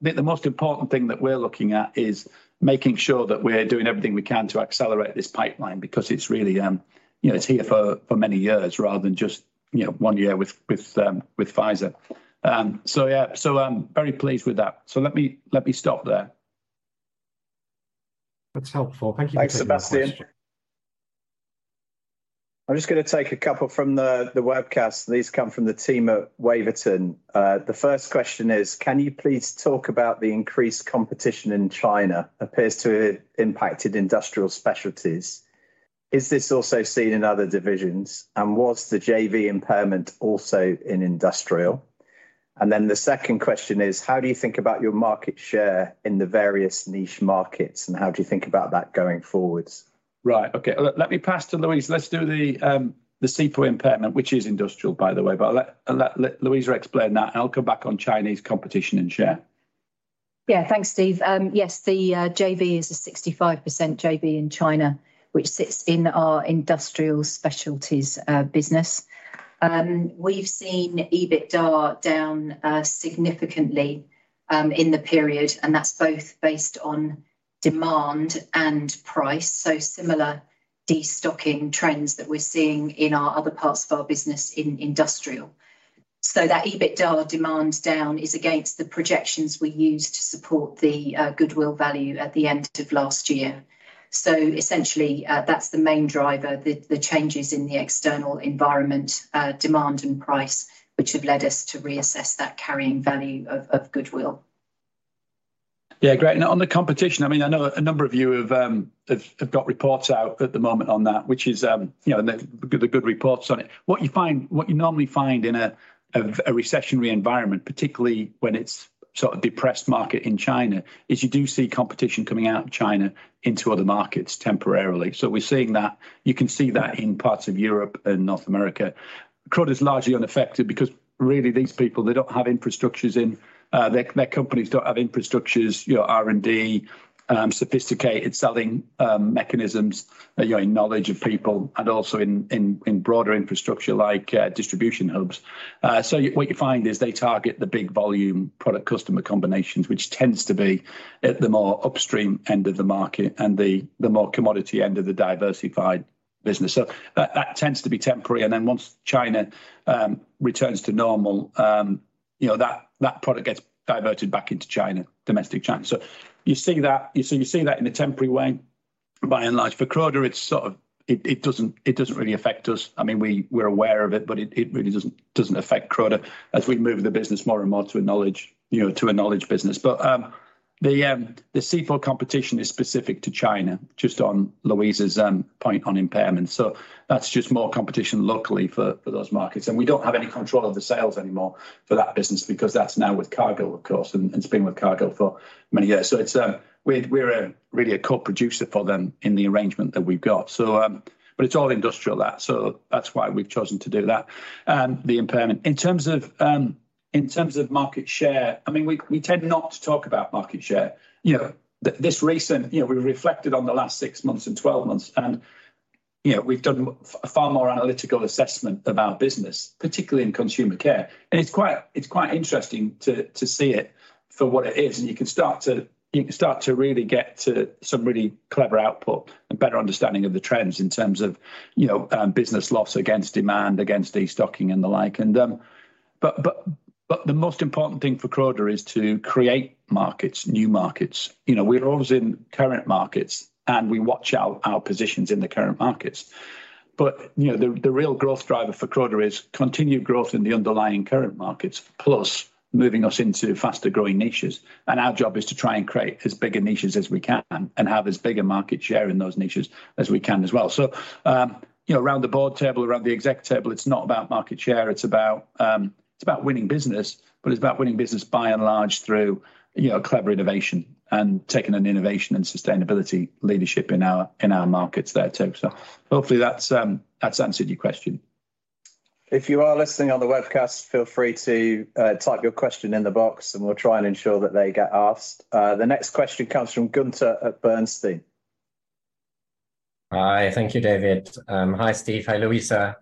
the most important thing that we're looking at is making sure that we're doing everything we can to accelerate this pipeline because it's really, you know, it's here for many years, rather than just, you know, one year with Pfizer. Yeah, so I'm very pleased with that. Let me stop there. That's helpful. Thank you for taking my question. Thanks, Sebastian. I'm just gonna take a couple from the webcast. These come from the team at Waverton. The first question is, "Can you please talk about the increased competition in China? Appears to have impacted Industrial Specialties. Is this also seen in other divisions, and was the JV impairment also in industrial?" The second question is: "How do you think about your market share in the various niche markets, and how do you think about that going forwards? Right. Okay, let me pass to Louisa. Let's do the SIPO impairment, which is industrial, by the way, but I'll let Louisa explain that, and I'll come back on Chinese competition and share. Yeah. Thanks, Steve. Yes, the JV is a 65% JV in China, which sits in our Industrial Specialties business. We've seen EBITDA down significantly in the period, and that's both based on demand and price, so similar destocking trends that we're seeing in our other parts of our business in industrial. That EBITDA demand down is against the projections we used to support the goodwill value at the end of last year. Essentially, that's the main driver, the changes in the external environment, demand and price, which have led us to reassess that carrying value of goodwill. Yeah, great. Now, on the competition, I mean, I know a number of you have got reports out at the moment on that, which is, you know, good reports on it. What you find, what you normally find in a recessionary environment, particularly when it's sort of depressed market in China, is you do see competition coming out of China into other markets temporarily. We're seeing that. You can see that in parts of Europe and North America. Croda is largely unaffected because really, these people, they don't have infrastructures. Their companies don't have infrastructures, you know, R&D, sophisticated selling mechanisms, you know, knowledge of people and also in broader infrastructure like distribution hubs. What you find is they target the big volume product customer combinations, which tends to be at the more upstream end of the market and the more commodity end of the diversified business. That tends to be temporary, and then once China returns to normal, you know, that product gets diverted back into China, domestic China. You see that, you're seeing that in a temporary way, by and large. For Croda, it's sort of, it doesn't really affect us. I mean, we're aware of it, but it really doesn't affect Croda as we move the business more and more to a knowledge, you know, to a knowledge business. The C4 competition is specific to China, just on Louisa's point on impairment. That's just more competition locally for those markets, and we don't have any control of the sales anymore for that business because that's now with Cargill, of course, and it's been with Cargill for many years. It's, we're a really a co-producer for them in the arrangement that we've got. It's all industrial that, so that's why we've chosen to do that. The impairment. In terms of, in terms of market share, I mean, we tend not to talk about market share. You know, we reflected on the last 6 months and 12 months, and, you know, we've done a far more analytical assessment of our business, particularly in Consumer Care. It's quite interesting to see it for what it is, and you can start to really get to some really clever output and better understanding of the trends in terms of, you know, business loss against demand, against destocking and the like. But the most important thing for Croda is to create markets, new markets. You know, we're always in current markets, and we watch our positions in the current markets. But, you know, the real growth driver for Croda is continued growth in the underlying current markets, plus moving us into faster-growing niches. Our job is to try and create as bigger niches as we can and have as bigger market share in those niches as we can as well. you know, around the board table, around the exec table, it's not about market share, it's about winning business, but it's about winning business by and large through, you know, clever innovation and taking an innovation and sustainability leadership in our, in our markets there, too. Hopefully that's answered your question. If you are listening on the webcast, feel free to type your question in the box, and we'll try and ensure that they get asked. The next question comes from Gunther at Bernstein. Hi. Thank you, David. Hi, Steve. Hi, Louisa.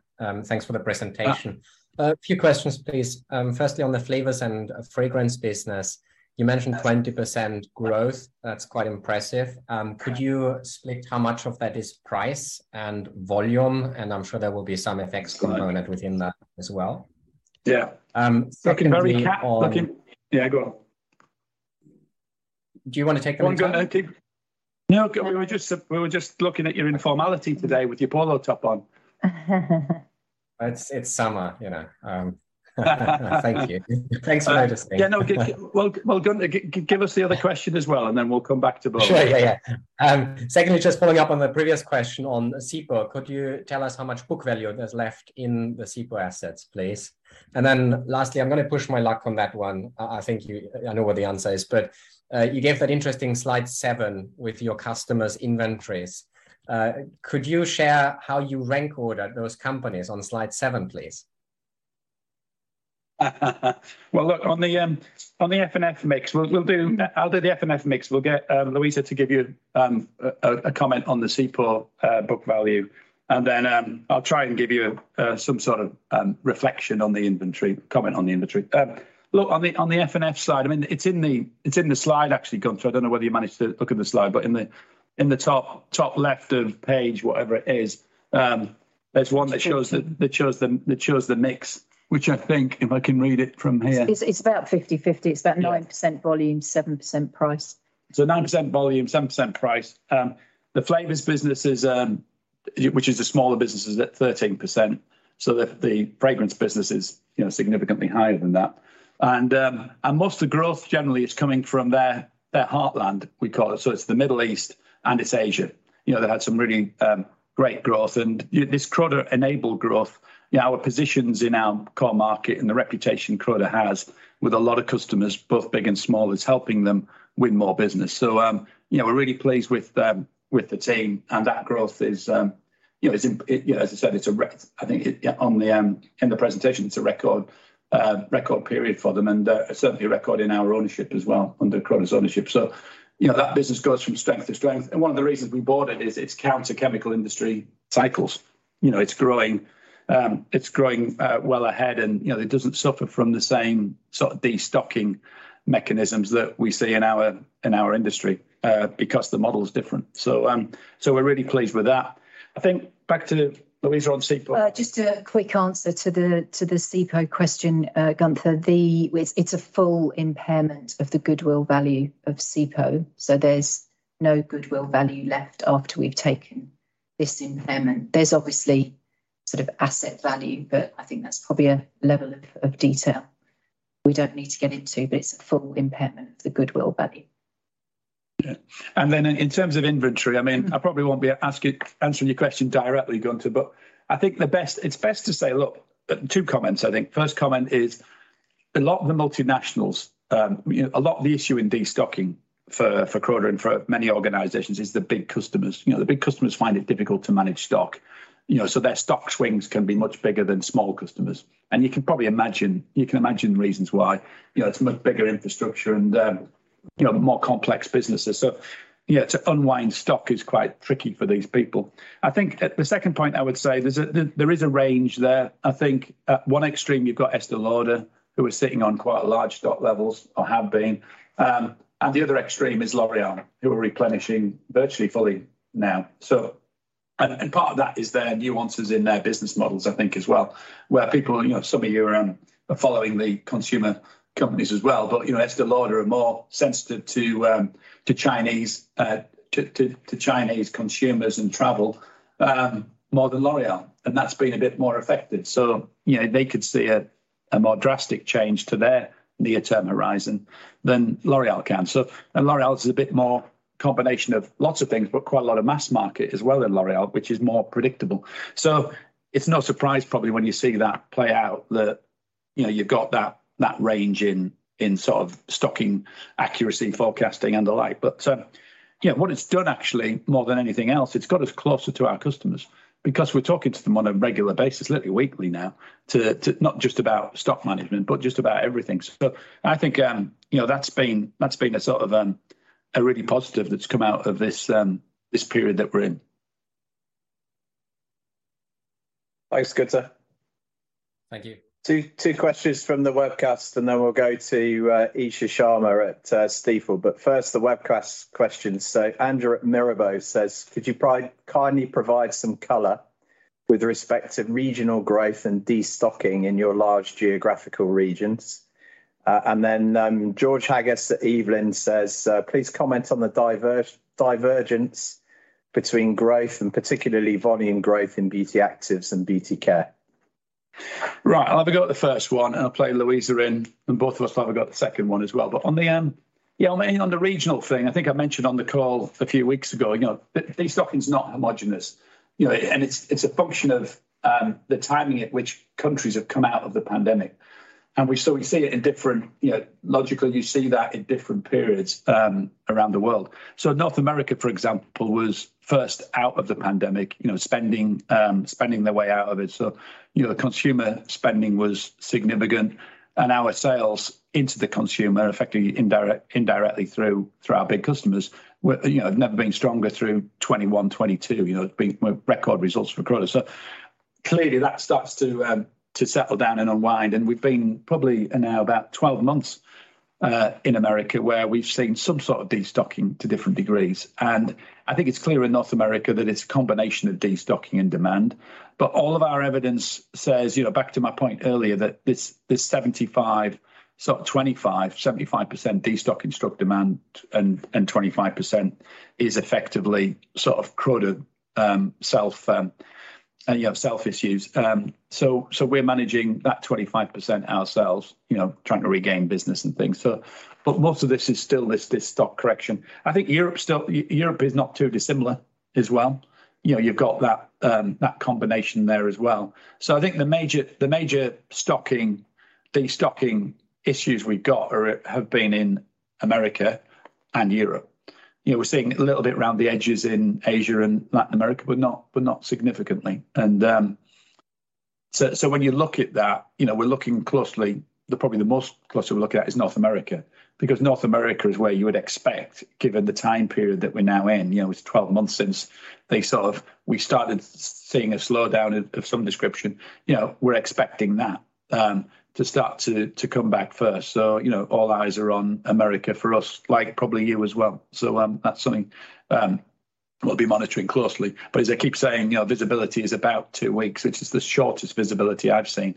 Thanks for the presentation. Uh- A few questions, please. Firstly, on the flavors and fragrance business, you mentioned. Yes. 20% growth. That's quite impressive. Could you split how much of that is price and volume? I'm sure there will be some effects component. Got it. within that as well. Yeah. secondly looking. Yeah, go on Do you want to take that one, David? Okay. No, we were just looking at your informality today with your polo top on. It's summer, you know, thank you. Thanks for noticing. Yeah, no, well, well, Gunther, give us the other question as well, and then we'll come back to polo. Sure. Yeah, yeah. Secondly, just following up on the previous question on SIPO. Could you tell us how much book value there's left in the SIPO assets, please? Lastly, I'm gonna push my luck on that one. I know what the answer is, but you gave that interesting slide 7 with your customers' inventories. Could you share how you rank ordered those companies on slide 7, please? Well, look, on the F&F mix, I'll do the F&F mix. We'll get Louisa to give you a comment on the SIPO book value, and then I'll try and give you some sort of reflection on the inventory, comment on the inventory. Look, on the F&F slide, I mean, it's in the slide, actually, Gunther. I don't know whether you managed to look at the slide, but in the top left of page, whatever it is, there's one that shows the mix, which I think, if I can read it from here- It's about 50/50. Yeah. It's about 9% volume, 7% price. 9% volume, 7% price. The flavors business is, which is the smaller business, is at 13%, the fragrance business is, you know, significantly higher than that. Most of the growth generally is coming from their heartland, we call it. It's the Middle East, and it's Asia. You know, they had some really great growth, and this Croda-enabled growth, our positions in our core market and the reputation Croda has with a lot of customers, both big and small, is helping them win more business. You know, we're really pleased with the team, and that growth is, you know, as I said. I think, yeah, on the in the presentation, it's a record record period for them and certainly a record in our ownership as well, under Croda's ownership. You know, that business goes from strength to strength, and one of the reasons we bought it is it's counter chemical industry cycles. You know, it's growing, it's growing well ahead, and, you know, it doesn't suffer from the same sort of destocking mechanisms that we see in our, in our industry, because the model is different. We're really pleased with that. I think back to Louisa on SIPO. Just a quick answer to the SIPO question, Gunther. It's a full impairment of the goodwill value of SIPO, so there's no goodwill value left after we've taken this impairment. There's obviously sort of asset value, but I think that's probably a level of detail we don't need to get into, but it's a full impairment of the goodwill value. Yeah. Then in terms of inventory, I mean, I probably won't be answering your question directly, Gunther, I think it's best to say, look, two comments, I think. First comment is, a lot of the multinationals, you know, a lot of the issue in destocking for Croda and for many organizations is the big customers. You know, the big customers find it difficult to manage stock, you know, so their stock swings can be much bigger than small customers. You can probably imagine the reasons why. You know, it's much bigger infrastructure and, you know, more complex businesses. Yeah, to unwind stock is quite tricky for these people. I think the second point I would say, there is a range there. I think at one extreme, you've got Estée Lauder, who is sitting on quite a large stock levels or have been. The other extreme is L'Oréal, who are replenishing virtually fully now. Part of that is their nuances in their business models, I think, as well, where people, you know, some of you are following the consumer companies as well. You know, Estée Lauder are more sensitive to Chinese consumers and travel more than L'Oréal, and that's been a bit more affected. You know, they could see a more drastic change to their near-term horizon than L'Oréal can. L'Oréal is a bit more combination of lots of things, but quite a lot of mass market as well in L'Oréal, which is more predictable. It's no surprise probably when you see that play out that, you know, you've got that range in sort of stocking accuracy, forecasting, and the like. Yeah, what it's done actually more than anything else, it's got us closer to our customers because we're talking to them on a regular basis, literally weekly now, to not just about stock management, but just about everything. I think, you know, that's been a sort of, a really positive that's come out of this period that we're in. Thanks, Gunther. Thank you. Two questions from the webcast. We'll go to Isha Sharma at Stifel. First, the webcast question. Andrew at Mirabaud says: "Could you kindly provide some color with respect to regional growth and destocking in your large geographical regions?" George Haggas at Evelyn says, "Please comment on the divergence between growth and particularly volume growth in Beauty Actives and Beauty Care. Right. I'll have a go at the first one, and I'll play Louisa in, and both of us will have a go at the second one as well. On the, yeah, on the, on the regional thing, I think I mentioned on the call a few weeks ago, you know, destocking is not homogenous. You know, and it's a function of the timing at which countries have come out of the pandemic. We still see it in different... You know, logically, you see that in different periods around the world. North America, for example, was first out of the pandemic, you know, spending their way out of it. The consumer spending was significant, and our sales into the consumer, effectively, indirectly through our big customers, were, you know, have never been stronger through 2021, 2022. You know, it's been record results for Croda. Clearly, that starts to settle down and unwind, and we've been probably now about 12 months in America, where we've seen some sort of destocking to different degrees. I think it's clear in North America that it's a combination of destocking and demand. All of our evidence says, you know, back to my point earlier, that this 75% destocking struck demand and 25% is effectively sort of Croda self-issues. We're managing that 25% ourselves, you know, trying to regain business and things. Most of this is still this stock correction. I think Europe still, Europe is not too dissimilar as well. You know, you've got that combination there as well. I think the major stocking, destocking issues we've got are, have been in America and Europe. You know, we're seeing it a little bit around the edges in Asia and Latin America, but not significantly. When you look at that, you know, we're looking closely. The probably the most closely we're looking at is North America, because North America is where you would expect, given the time period that we're now in, you know, it's 12 months since they sort of, we started seeing a slowdown of some description. You know, we're expecting that to start to come back first. You know, all eyes are on America for us, like probably you as well. That's something we'll be monitoring closely. As I keep saying, you know, visibility is about two weeks, which is the shortest visibility I've seen.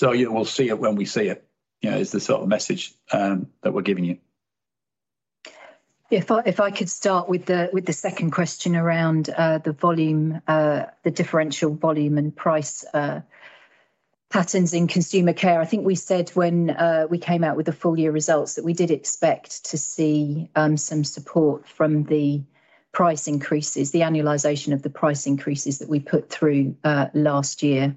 You know, we'll see it when we see it, you know, is the sort of message that we're giving you. If I could start with the second question around the volume, the differential volume and price patterns in Consumer Care. I think we said when we came out with the full year results, that we did expect to see some support from the price increases, the annualization of the price increases that we put through last year,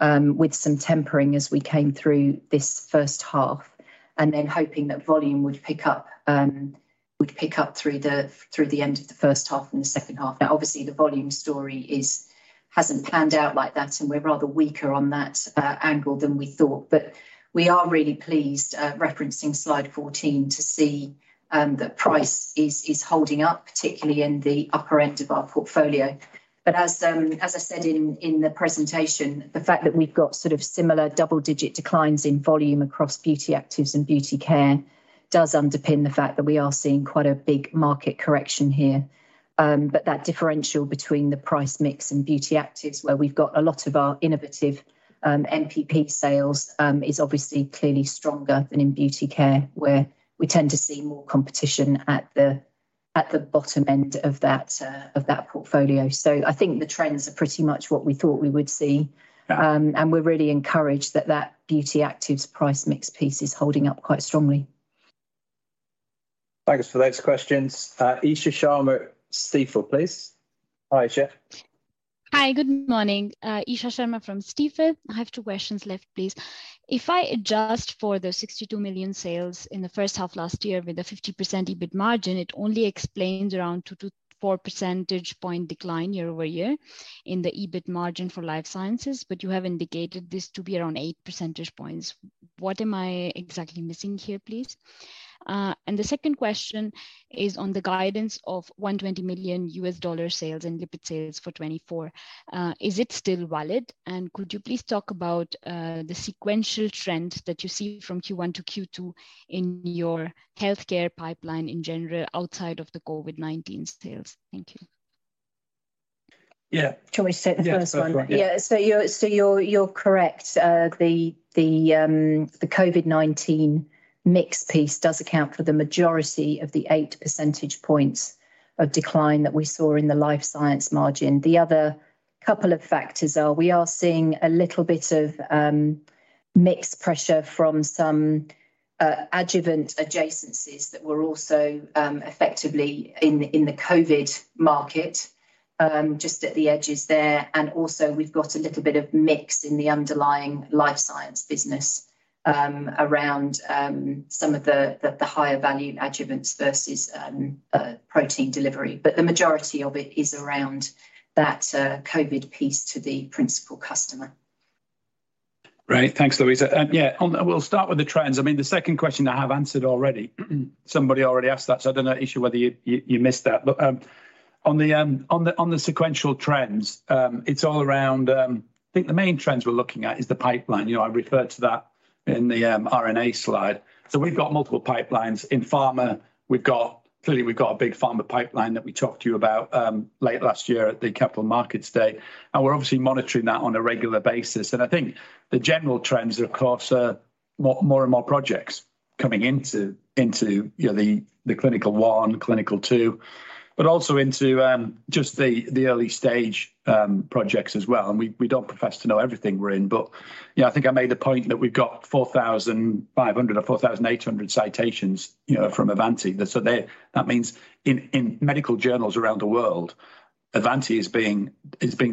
with some tempering as we came through this first half. Then hoping that volume would pick up through the end of the first half and the second half. Obviously, the volume story hasn't panned out like that. We're rather weaker on that angle than we thought. We are really pleased, referencing slide 14, to see that price is holding up, particularly in the upper end of our portfolio. As I said in the presentation, the fact that we've got sort of similar double-digit declines in volume across Beauty Actives and Beauty Care does underpin the fact that we are seeing quite a big market correction here. That differential between the price mix and Beauty Actives, where we've got a lot of our innovative NPP sales, is obviously clearly stronger than in Beauty Care, where we tend to see more competition at the bottom end of that portfolio. I think the trends are pretty much what we thought we would see. Yeah. We're really encouraged that Beauty Actives price mix piece is holding up quite strongly. Thanks for those questions. Isha Sharma at Stifel, please. Hi, Isha. Hi, good morning. Isha Sharma from Stifel. I have two questions left, please. If I adjust for the $62 million sales in the first half last year with a 50% EBIT margin, it only explains around 2-4 percentage point decline year-over-year in the EBIT margin for Life Sciences. You have indicated this to be around 8 percentage points. What am I exactly missing here, please? The second question is on the guidance of $120 million USD sales in EBIT sales for 2024. Is it still valid? Could you please talk about the sequential trend that you see from Q1 to Q2 in your healthcare pipeline in general, outside of the COVID-19 sales? Thank you. Yeah. Do you want me to take the first one? Yeah, sure. Yeah, so you're correct. The COVID-19 mix piece does account for the majority of the 8 percentage points of decline that we saw in the Life Sciences margin. The other couple of factors are, we are seeing a little bit of mixed pressure from some adjuvant adjacencies that were also effectively in the COVID market just at the edges there. Also, we've got a little bit of mix in the underlying Life Sciences business around some of the higher value adjuvants versus protein delivery. The majority of it is around that COVID piece to the principal customer. Great. Thanks, Louisa. Yeah, we'll start with the trends. I mean, the second question I have answered already. Somebody already asked that, so I don't know, Isha, whether you missed that. On the sequential trends, it's all around... I think the main trends we're looking at is the pipeline. You know, I referred to that in the RNA slide. We've got multiple pipelines. In Pharma, clearly, we've got a big Pharma pipeline that we talked to you about late last year at the Capital Markets Day, and we're obviously monitoring that on a regular basis. I think the general trends, of course, are more and more projects coming into, you know, the Clinical 1, Clinical 2, but also into, just the early stage projects as well. We don't profess to know everything we're in, but, you know, I think I made the point that we've got 4,500 or 4,800 citations, you know, from Avanti. That means in medical journals around the world, Avanti is being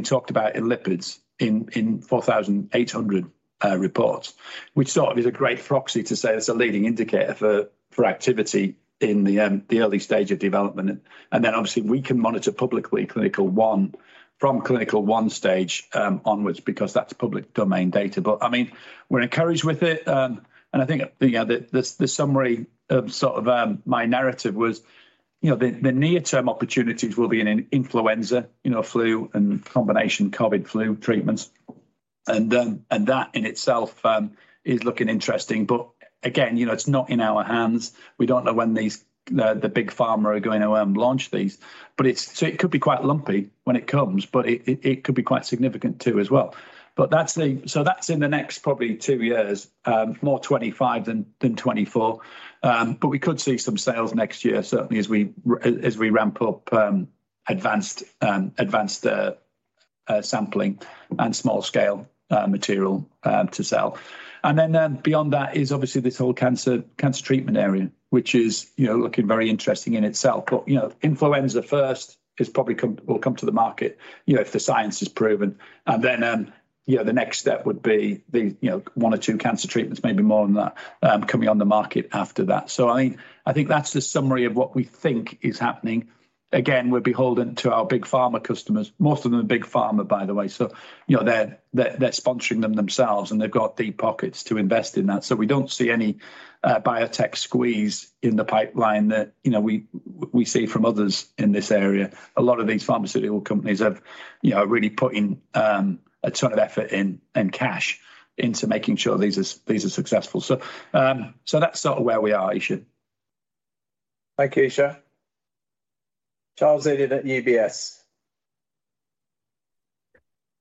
talked about in lipids in 4,800 reports, which sort of is a great proxy to say that's a leading indicator for activity in the early stage of development. Then obviously, we can monitor publicly Clinical 1 from Clinical 1 stage onwards, because that's public domain data. I mean, we're encouraged with it, and I think, you know, the summary of my narrative was, you know, the near-term opportunities will be in influenza, you know, flu and combination COVID flu treatments. That in itself is looking interesting. Again, it's not in our hands. We don't know when these, the big Pharma are going to launch these, but it could be quite lumpy when it comes, but it could be quite significant, too, as well. That's in the next probably 2 years, more 2025 than 2024. We could see some sales next year, certainly as we ramp up advanced advanced sampling and small-scale material to sell. Beyond that is obviously this whole cancer treatment area, which is, you know, looking very interesting in itself. You know, influenza first is probably will come to the market, you know, if the science is proven. Then, you know, the next step would be the, you know, one or two cancer treatments, maybe more than that, coming on the market after that. I think that's the summary of what we think is happening. Again, we're beholden to our big Pharma customers, most of them are big Pharma, by the way. You know, they're sponsoring them themselves, and they've got deep pockets to invest in that. We don't see any biotech squeeze in the pipeline that, you know, we see from others in this area. A lot of these Pharmaceutical companies have, you know, really putting a ton of effort and cash into making sure these are successful. That's sort of where we are, Isha. Thank you, Isha. Charles Eden at UBS.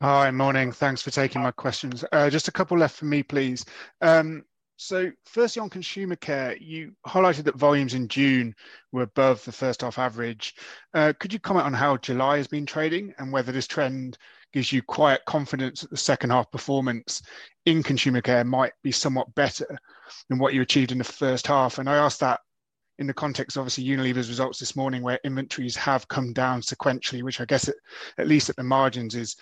Hi, morning. Thanks for taking my questions. Just a couple left for me, please. Firstly, on Consumer Care, you highlighted that volumes in June were above the first half average. Could you comment on how July has been trading and whether this trend gives you quiet confidence that the second half performance in Consumer Care might be somewhat better than what you achieved in the first half? I ask that in the context, obviously, Unilever's results this morning, where inventories have come down sequentially, which I guess at least at the margins, is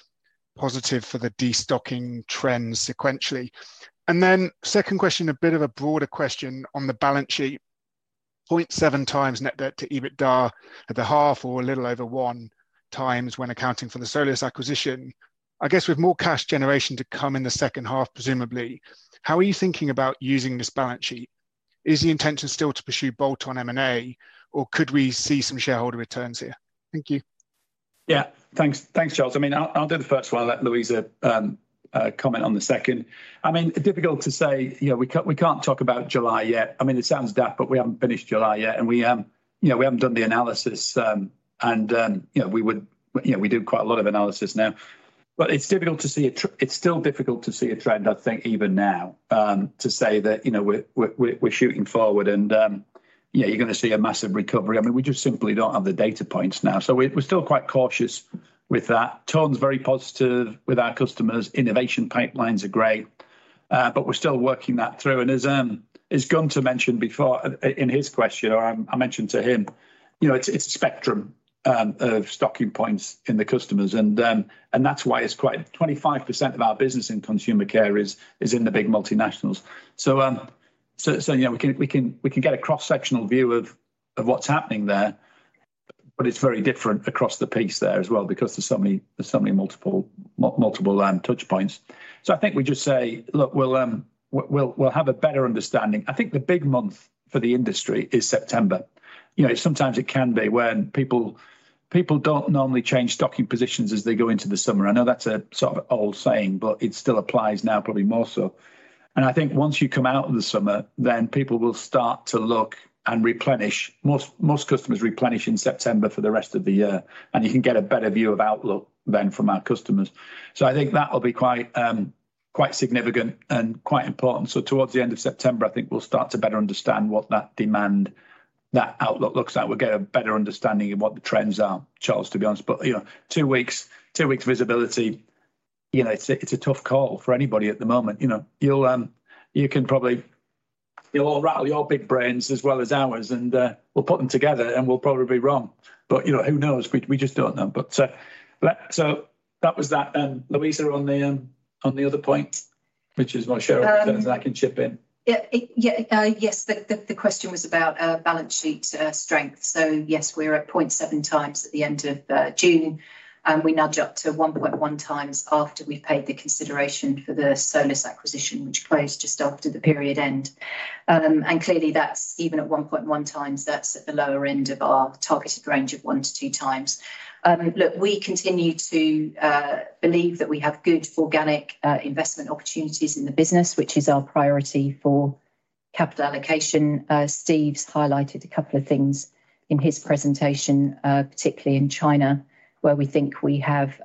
positive for the destocking trends sequentially. Second question, a bit of a broader question on the balance sheet. 0.7 times net debt to EBITDA at the half or a little over 1 times when accounting for the Solus acquisition. I guess with more cash generation to come in the second half, presumably, how are you thinking about using this balance sheet? Is the intention still to pursue bolt-on M&A, or could we see some shareholder returns here? Thank you. Yeah. Thanks. Thanks, Charles. I mean, I'll do the first one and let Louisa comment on the second. I mean, difficult to say. You know, we can't talk about July yet. I mean, it sounds daft, but we haven't finished July yet, and we, you know, we haven't done the analysis, and you know, we do quite a lot of analysis now. It's still difficult to see a trend, I think, even now, to say that, you know, we're shooting forward and, yeah, you're gonna see a massive recovery. I mean, we just simply don't have the data points now. We're still quite cautious with that. Tone's very positive with our customers. Innovation pipelines are great, but we're still working that through. As Gunther mentioned before in his question, or I mentioned to him, you know, it's a spectrum of stocking points in the customers. 25% of our business in Consumer Care is in the big multinationals. You know, we can get a cross-sectional view of what's happening there, but it's very different across the piece there as well because there's so many multiple touch points. I think we just say: Look, we'll have a better understanding. I think the big month for the industry is September. You know, sometimes it can be when people don't normally change stocking positions as they go into the summer. I know that's a sort of old saying, but it still applies now, probably more so. I think once you come out of the summer, then people will start to look and replenish. Most customers replenish in September for the rest of the year, and you can get a better view of outlook than from our customers. I think that will be quite significant and quite important. Towards the end of September, I think we'll start to better understand what that demand, that outlook looks like. We'll get a better understanding of what the trends are, Charles, to be honest. You know, two weeks visibility, you know, it's a tough call for anybody at the moment. You know, you'll all rattle your big brains as well as ours, and we'll put them together, and we'll probably be wrong. You know, who knows? We just don't know. So that was that. Louisa, on the other point, which is what Charles says, I can chip in. Yes, the question was about balance sheet strength. Yes, we're at 0.7 times at the end of June, and we nudge up to 1.1 times after we've paid the consideration for the Solus acquisition, which closed just after the period end. Clearly, that's even at 1.1 times, that's at the lower end of our targeted range of 1-2 times. Look, we continue to believe that we have good organic investment opportunities in the business, which is our priority for capital allocation. Steve's highlighted a couple of things in his presentation, particularly in China, where we think we have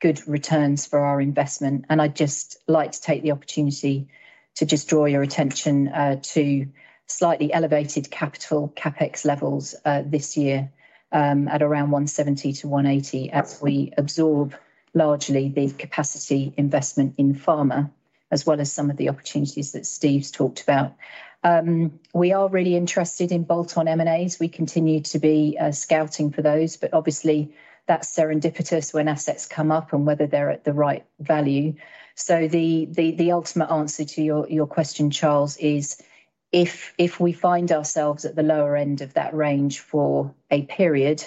good returns for our investment. I'd just like to take the opportunity to just draw your attention to slightly elevated capital CapEx levels this year, at around 170-180, as we absorb largely the capacity investment in Pharma, as well as some of the opportunities that Steve's talked about. We are really interested in bolt-on M&As. We continue to be scouting for those, but obviously, that's serendipitous when assets come up and whether they're at the right value. The ultimate answer to your question, Charles, is: If we find ourselves at the lower end of that range for a period,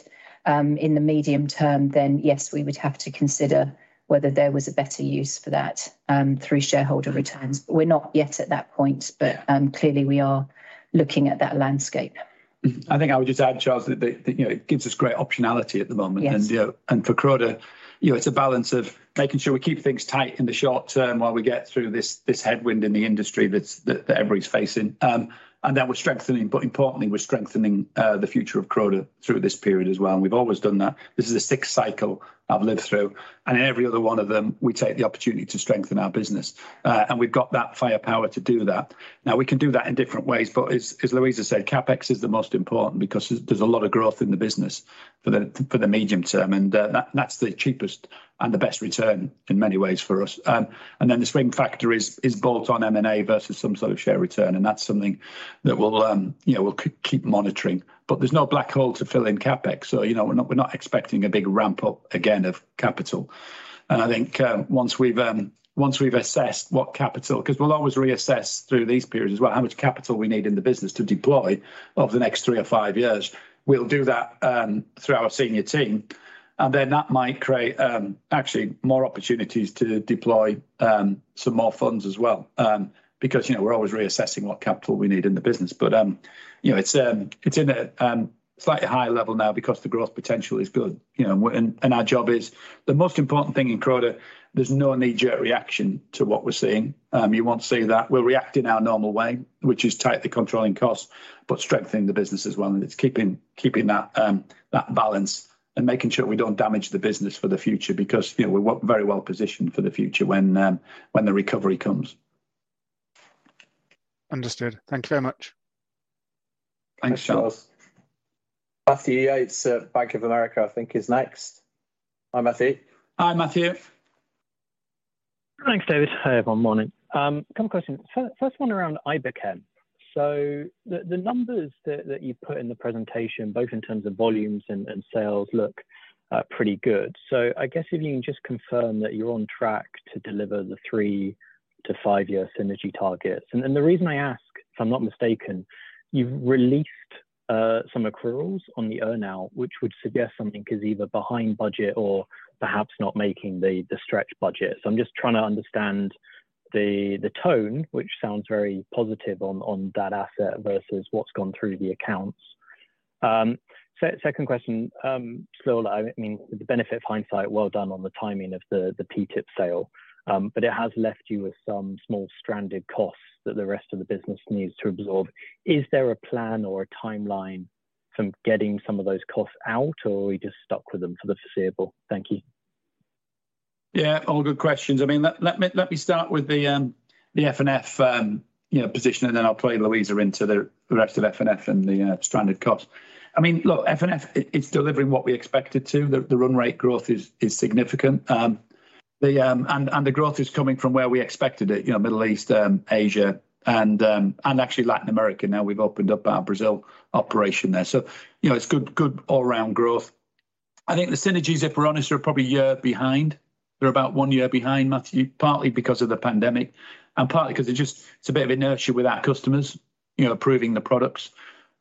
in the medium term, then yes, we would have to consider whether there was a better use for that through shareholder returns. We're not yet at that point, but clearly, we are looking at that landscape. I think I would just add, Charles, that the, you know, it gives us great optionality at the moment. Yes. You know, and for Croda, you know, it's a balance of making sure we keep things tight in the short term while we get through this headwind in the industry that's that everybody's facing. Then we're strengthening, but importantly, we're strengthening the future of Croda through this period as well, and we've always done that. This is the sixth cycle I've lived through, and in every other one of them, we take the opportunity to strengthen our business. We've got that firepower to do that. Now, we can do that in different ways, but as Louisa said, CapEx is the most important because there's a lot of growth in the business for the medium term, and that's the cheapest and the best return in many ways for us. Then the swing factor is bolt-on M&A versus some sort of share return, and that's something that we'll, you know, we'll keep monitoring. There's no black hole to fill in CapEx, so, you know, we're not expecting a big ramp-up again of capital. I think, once we've, once we've assessed what capital because we'll always reassess through these periods as well, how much capital we need in the business to deploy over the next three or five years. We'll do that through our senior team, and then that might create actually more opportunities to deploy some more funds as well. Because, you know, we're always reassessing what capital we need in the business. You know, it's in a slightly higher level now because the growth potential is good, you know, and our job is. The most important thing in Croda, there's no knee-jerk reaction to what we're seeing. You won't see that. We'll react in our normal way, which is tightly controlling costs, but strengthening the business as well. It's keeping that balance and making sure we don't damage the business for the future because, you know, we're very well positioned for the future when the recovery comes. Understood. Thank you very much. Thanks, Charles. Matthew Yates at Bank of America, I think, is next. Hi, Matthew. Hi, Matthew. Thanks, David. Hi, everyone. Morning. Couple questions. First one around Iberchem. The numbers that you put in the presentation, both in terms of volumes and sales, look pretty good. I guess if you can just confirm that you're on track to deliver the 3-5-year synergy targets. The reason I ask, if I'm not mistaken, you've released some accruals on the earn-out, which would suggest something is either behind budget or perhaps not making the stretch budget. I'm just trying to understand the tone, which sounds very positive on that asset versus what's gone through the accounts. Second question, I mean, with the benefit of hindsight, well done on the timing of the PTIC sale, it has left you with some small stranded costs that the rest of the business needs to absorb. Is there a plan or a timeline from getting some of those costs out, or are we just stuck with them for the foreseeable? Thank you. Yeah, all good questions. I mean, let me start with the F&F, you know, position, then I'll play Louisa into the rest of F&F and the stranded costs. I mean, look, F&F, it's delivering what we expected to. The run rate growth is significant. The growth is coming from where we expected it, you know, Middle East, Asia, actually Latin America. We've opened up our Brazil operation there. you know, it's good all-round growth. I think the synergies, if we're honest, are probably a year behind. They're about 1 year behind, Matthew, partly because of the pandemic and partly because it just, it's a bit of inertia with our customers, you know, approving the products.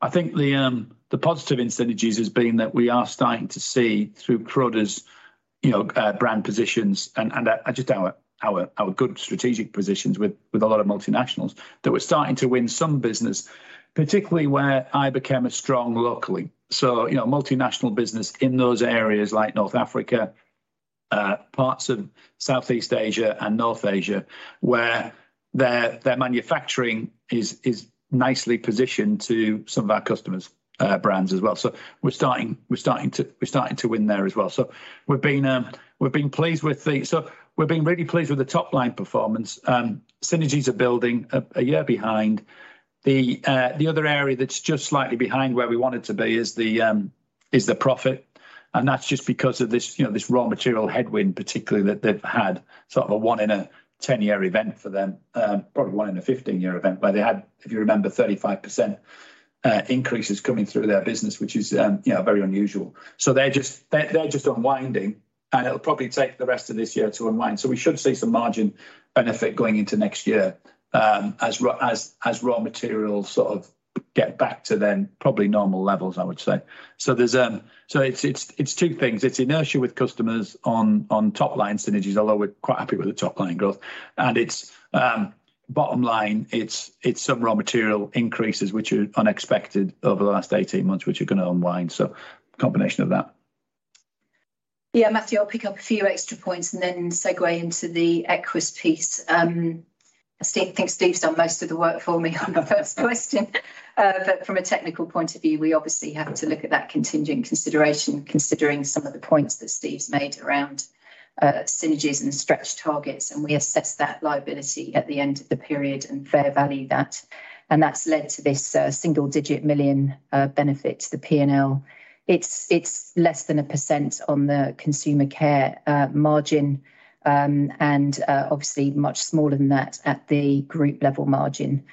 I think the positive in synergies has been that we are starting to see through Croda's, you know, brand positions and just our good strategic positions with a lot of multinationals, that we're starting to win some business, particularly where Iberchem is strong locally. you know, multinational business in those areas like North Africa, parts of Southeast Asia and North Asia, where their manufacturing is nicely positioned to some of our customers' brands as well. We're starting to win there as well. We've been really pleased with the top-line performance. Synergies are building a year behind. The other area that's just slightly behind where we want it to be is the profit, and that's just because of this, you know, this raw material headwind, particularly that they've had sort of a 1 in a 10-year event for them, probably 1 in a 15-year event, where they had, if you remember, 35% increases coming through their business, which is, you know, very unusual. They're just unwinding, and it'll probably take the rest of this year to unwind. We should see some margin benefit going into next year, as raw materials sort of get back to then probably normal levels, I would say. There's. It's two things. It's inertia with customers on top-line synergies, although we're quite happy with the top-line growth, and it's bottom line, it's some raw material increases, which are unexpected over the last 18 months, which are going to unwind, so combination of that. Matthew, I'll pick up a few extra points and then segue into the Equus piece. Steve, I think Steve's done most of the work for me on the first question. From a technical point of view, we obviously have to look at that contingent consideration, considering some of the points that Steve's made around synergies and stretch targets, and we assess that liability at the end of the period and fair value that, and that's led to this single-digit million GBP benefit to the PNL. It's less than 1% on the Consumer Care margin, and obviously much smaller than that at the group level margin.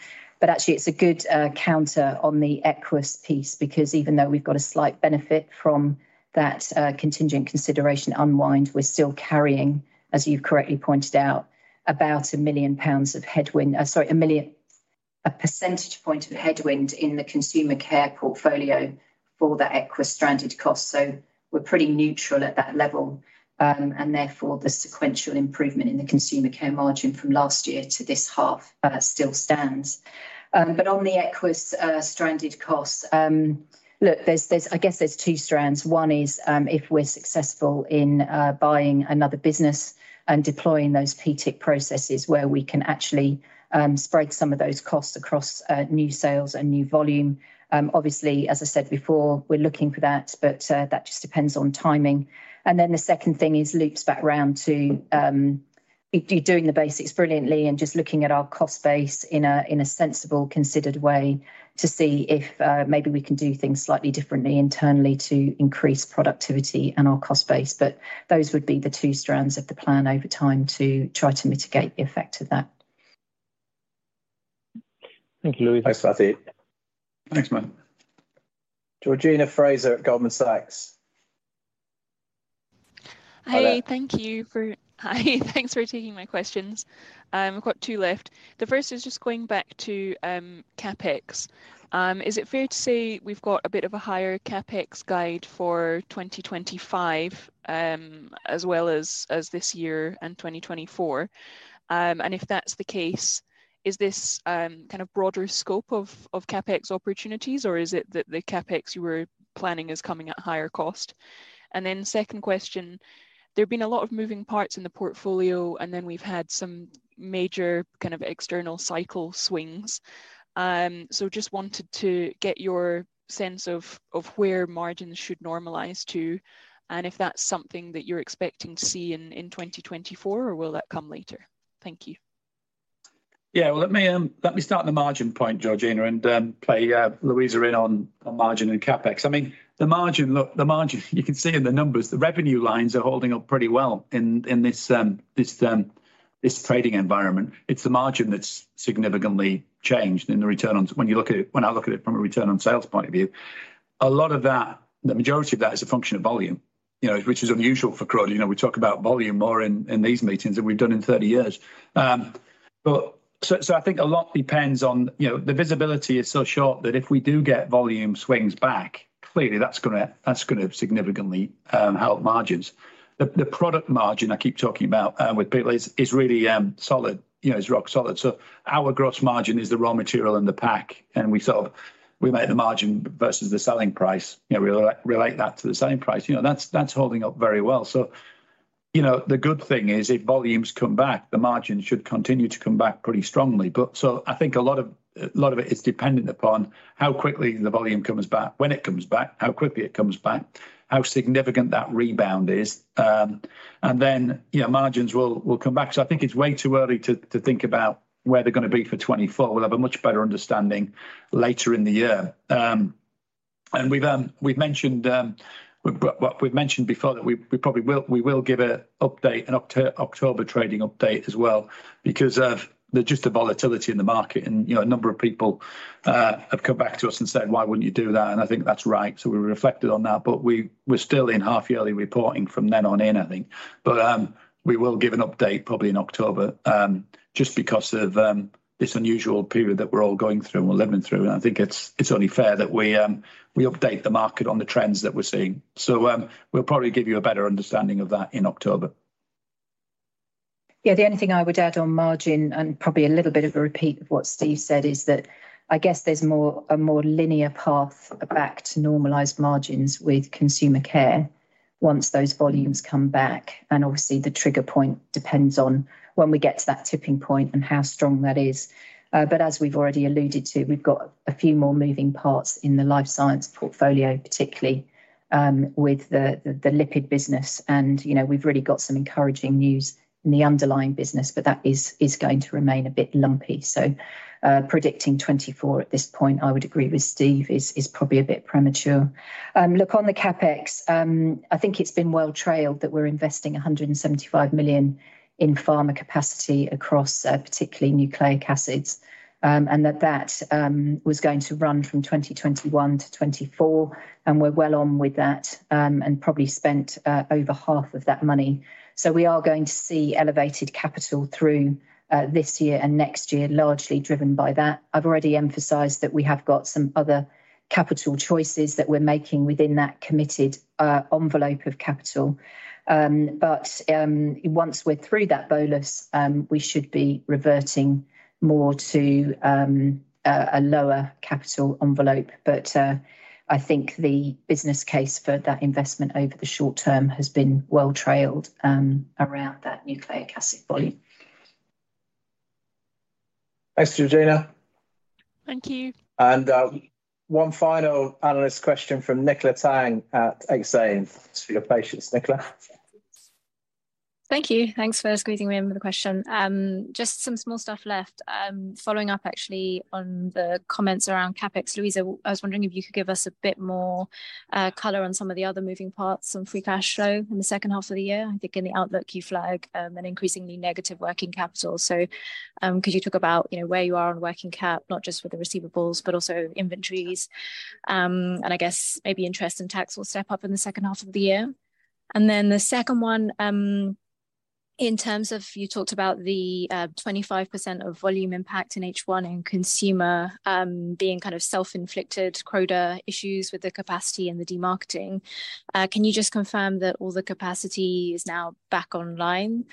Actually, it's a good counter on the Equus piece because even though we've got a slight benefit from that contingent consideration unwind, we're still carrying, as you've correctly pointed out, about 1 million pounds of headwind. Sorry, 1 percentage point of headwind in the Consumer Care portfolio for the Equus stranded cost. We're pretty neutral at that level, and therefore, the sequential improvement in the Consumer Care margin from last year to this half still stands. On the Equus stranded costs, look, there's I guess there's two strands. One is, if we're successful in buying another business and deploying those PTIC processes, where we can actually spread some of those costs across new sales and new volume. Obviously, as I said before, we're looking for that, but that just depends on timing. The second thing is loops back round to doing the basics brilliantly and just looking at our cost base in a sensible, considered way to see if maybe we can do things slightly differently internally to increase productivity and our cost base. Those would be the two strands of the plan over time to try to mitigate the effect of that. Thank you, Louisa. Thanks, Matthew. Thanks, man. Georgina Fraser at Goldman Sachs. Hi, thanks for taking my questions. I've got two left. The first is just going back to CapEx. Is it fair to say we've got a bit of a higher CapEx guide for 2025, as well as this year and 2024? If that's the case, is this kind of broader scope of CapEx opportunities, or is it that the CapEx you were planning is coming at higher cost? Second question, there have been a lot of moving parts in the portfolio, and then we've had some major kind of external cycle swings. Just wanted to get your sense of where margins should normalize to, and if that's something that you're expecting to see in 2024, or will that come later? Thank you. Well, let me start the margin point, Georgina, and play Louisa in on margin and CapEx. I mean, the margin, look, the margin, you can see in the numbers, the revenue lines are holding up pretty well in this trading environment. It's the margin that's significantly changed in the return on... When you look at it, when I look at it from a return on sales point of view, a lot of that, the majority of that is a function of volume, you know, which is unusual for Croda. You know, we talk about volume more in these meetings than we've done in 30 years. So I think a lot depends on... You know, the visibility is so short that if we do get volume swings back, clearly, that's gonna significantly help margins. The product margin I keep talking about with people is really solid, you know, it's rock solid. Our gross margin is the raw material and the pack, and we sort of, we make the margin versus the selling price. You know, we re-relate that to the selling price. You know, that's holding up very well. You know, the good thing is, if volumes come back, the margin should continue to come back pretty strongly. I think a lot of, a lot of it is dependent upon how quickly the volume comes back, when it comes back, how quickly it comes back, how significant that rebound is, and then, you know, margins will come back. I think it's way too early to think about where they're gonna be for 2024. We'll have a much better understanding later in the year. We've mentioned, well, we've mentioned before that we probably will give an update, an October trading update as well, because of the just the volatility in the market. You know, a number of people have come back to us and said, "Why wouldn't you do that?" I think that's right. We reflected on that, but we're still in half-yearly reporting from then on in, I think. We will give an update probably in October just because of this unusual period that we're all going through and we're living through. I think it's only fair that we update the market on the trends that we're seeing. We'll probably give you a better understanding of that in October. The only thing I would add on margin, probably a little bit of a repeat of what Steve said, is that I guess there's more, a more linear path back to normalized margins with Consumer Care once those volumes come back, and obviously the trigger point depends on when we get to that tipping point and how strong that is. As we've already alluded to, we've got a few more moving parts in the Life Sciences portfolio, particularly with the lipid business. You know, we've really got some encouraging news in the underlying business, but that is going to remain a bit lumpy. Predicting 2024 at this point, I would agree with Steve, is probably a bit premature. On the CapEx, I think it's been well trailed that we're investing 175 million in Pharma capacity across particularly nucleic acids. That was going to run from 2021 to 2024, and we're well on with that and probably spent over half of that money. We are going to see elevated capital through this year and next year, largely driven by that. I've already emphasized that we have got some other capital choices that we're making within that committed envelope of capital. Once we're through that bolus, we should be reverting more to a lower capital envelope. I think the business case for that investment over the short term has been well trailed around that nucleic acid volume. Thanks, Georgina. Thank you. One final analyst question from Nicola Tang at Exane. Thanks your patience, Nicola. Thank you. Thanks for squeezing me in with a question. Just some small stuff left. Following up actually on the comments around CapEx. Louisa, I was wondering if you could give us a bit more color on some of the other moving parts on free cash flow in the second half of the year. I think in the outlook, you flag an increasingly negative working capital. Could you talk about, you know, where you are on working cap, not just with the receivables, but also inventories? I guess maybe interest and tax will step up in the second half of the year. The second one, in terms of you talked about the 25% of volume impact in H1 in consumer, being kind of self-inflicted Croda issues with the capacity and the demarketing. Can you just confirm that all the capacity is now back online?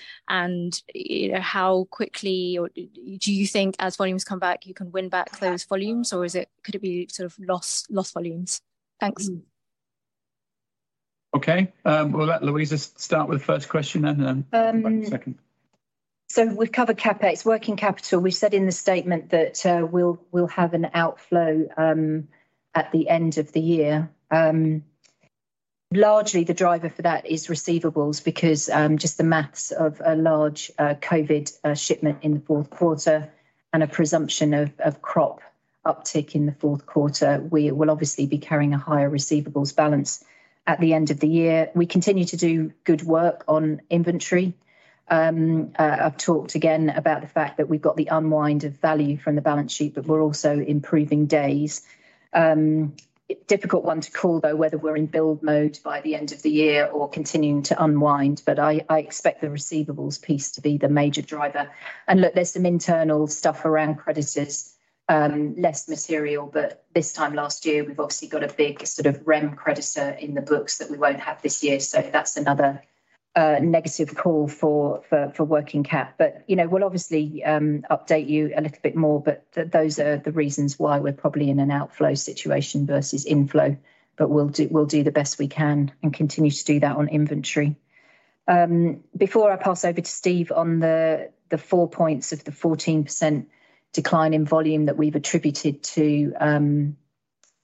You know, how quickly or do you think as volumes come back, you can win back those volumes, or could it be sort of lost volumes? Thanks. Okay, we'll let Louisa start with the first question. Um- Second. We've covered CapEx. Working capital, we said in the statement that we'll have an outflow at the end of the year. Largely, the driver for that is receivables, because just the math of a large COVID shipment in the Q4 and a presumption of crop uptick in the Q4. We will obviously be carrying a higher receivables balance at the end of the year. We continue to do good work on inventory. I've talked again about the fact that we've got the unwind of value from the balance sheet, but we're also improving days. Difficult one to call, though, whether we're in build mode by the end of the year or continuing to unwind, but I expect the receivables piece to be the major driver. Look, there's some internal stuff around creditors, less material, but this time last year we've obviously got a big sort of rem creditor in the books that we won't have this year, so that's another negative call for working cap. You know, we'll obviously update you a little bit more, but those are the reasons why we're probably in an outflow situation versus inflow. We'll do the best we can and continue to do that on inventory. Before I pass over to Steve on the four points of the 14% decline in volume that we've attributed to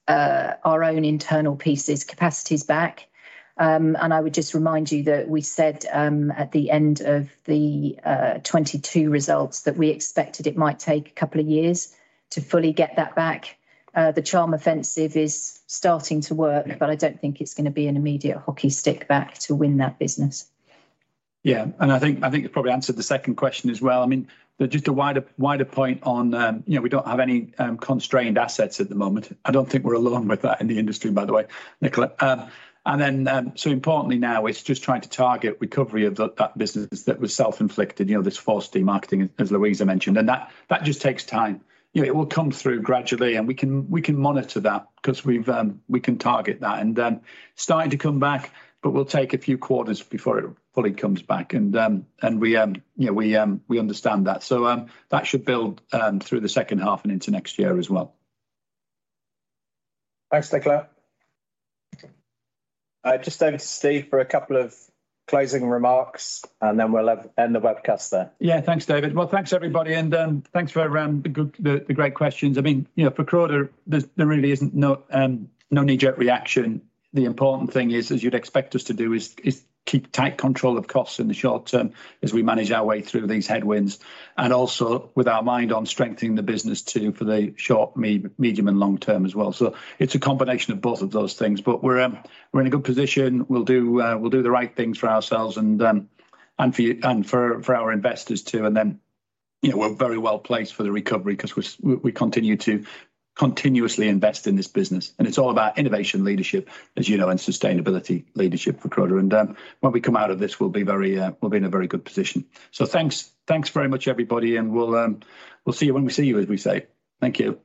our own internal pieces, capacity is back. I would just remind you that we said at the end of the 22 results that we expected it might take a couple of years to fully get that back. The charm offensive is starting to work, but I don't think it's gonna be an immediate hockey stick back to win that business. I think, I think it probably answered the second question as well. I mean, just a wider point on, you know, we don't have any constrained assets at the moment. I don't think we're alone with that in the industry, by the way, Nicola. So importantly now, it's just trying to target recovery of that business that was self-inflicted, you know, this false demarketing, as Louisa mentioned, and that just takes time. You know, it will come through gradually, and we can monitor that 'cause we've, we can target that. Starting to come back, but we'll take a few quarters before it fully comes back, and we, you know, we understand that. That should build through the second half and into next year as well. Thanks, Nicola. Just over to Steve for a couple of closing remarks, then we'll have end the webcast there. Yeah, thanks, David. Well, thanks, everybody, and thanks for the great questions. I mean, you know, for Croda, there really isn't no knee-jerk reaction. The important thing is, as you'd expect us to do, is keep tight control of costs in the short term as we manage our way through these headwinds, and also with our mind on strengthening the business too, for the short, medium, and long term as well. It's a combination of both of those things, but we're in a good position. We'll do the right things for ourselves and for you, and for our investors, too. Then, you know, we're very well placed for the recovery 'cause we continue to continuously invest in this business. It's all about innovation, leadership, as you know, and sustainability leadership for Croda. When we come out of this, we'll be in a very good position. Thanks very much, everybody, and we'll see you when we see you, as we say. Thank you.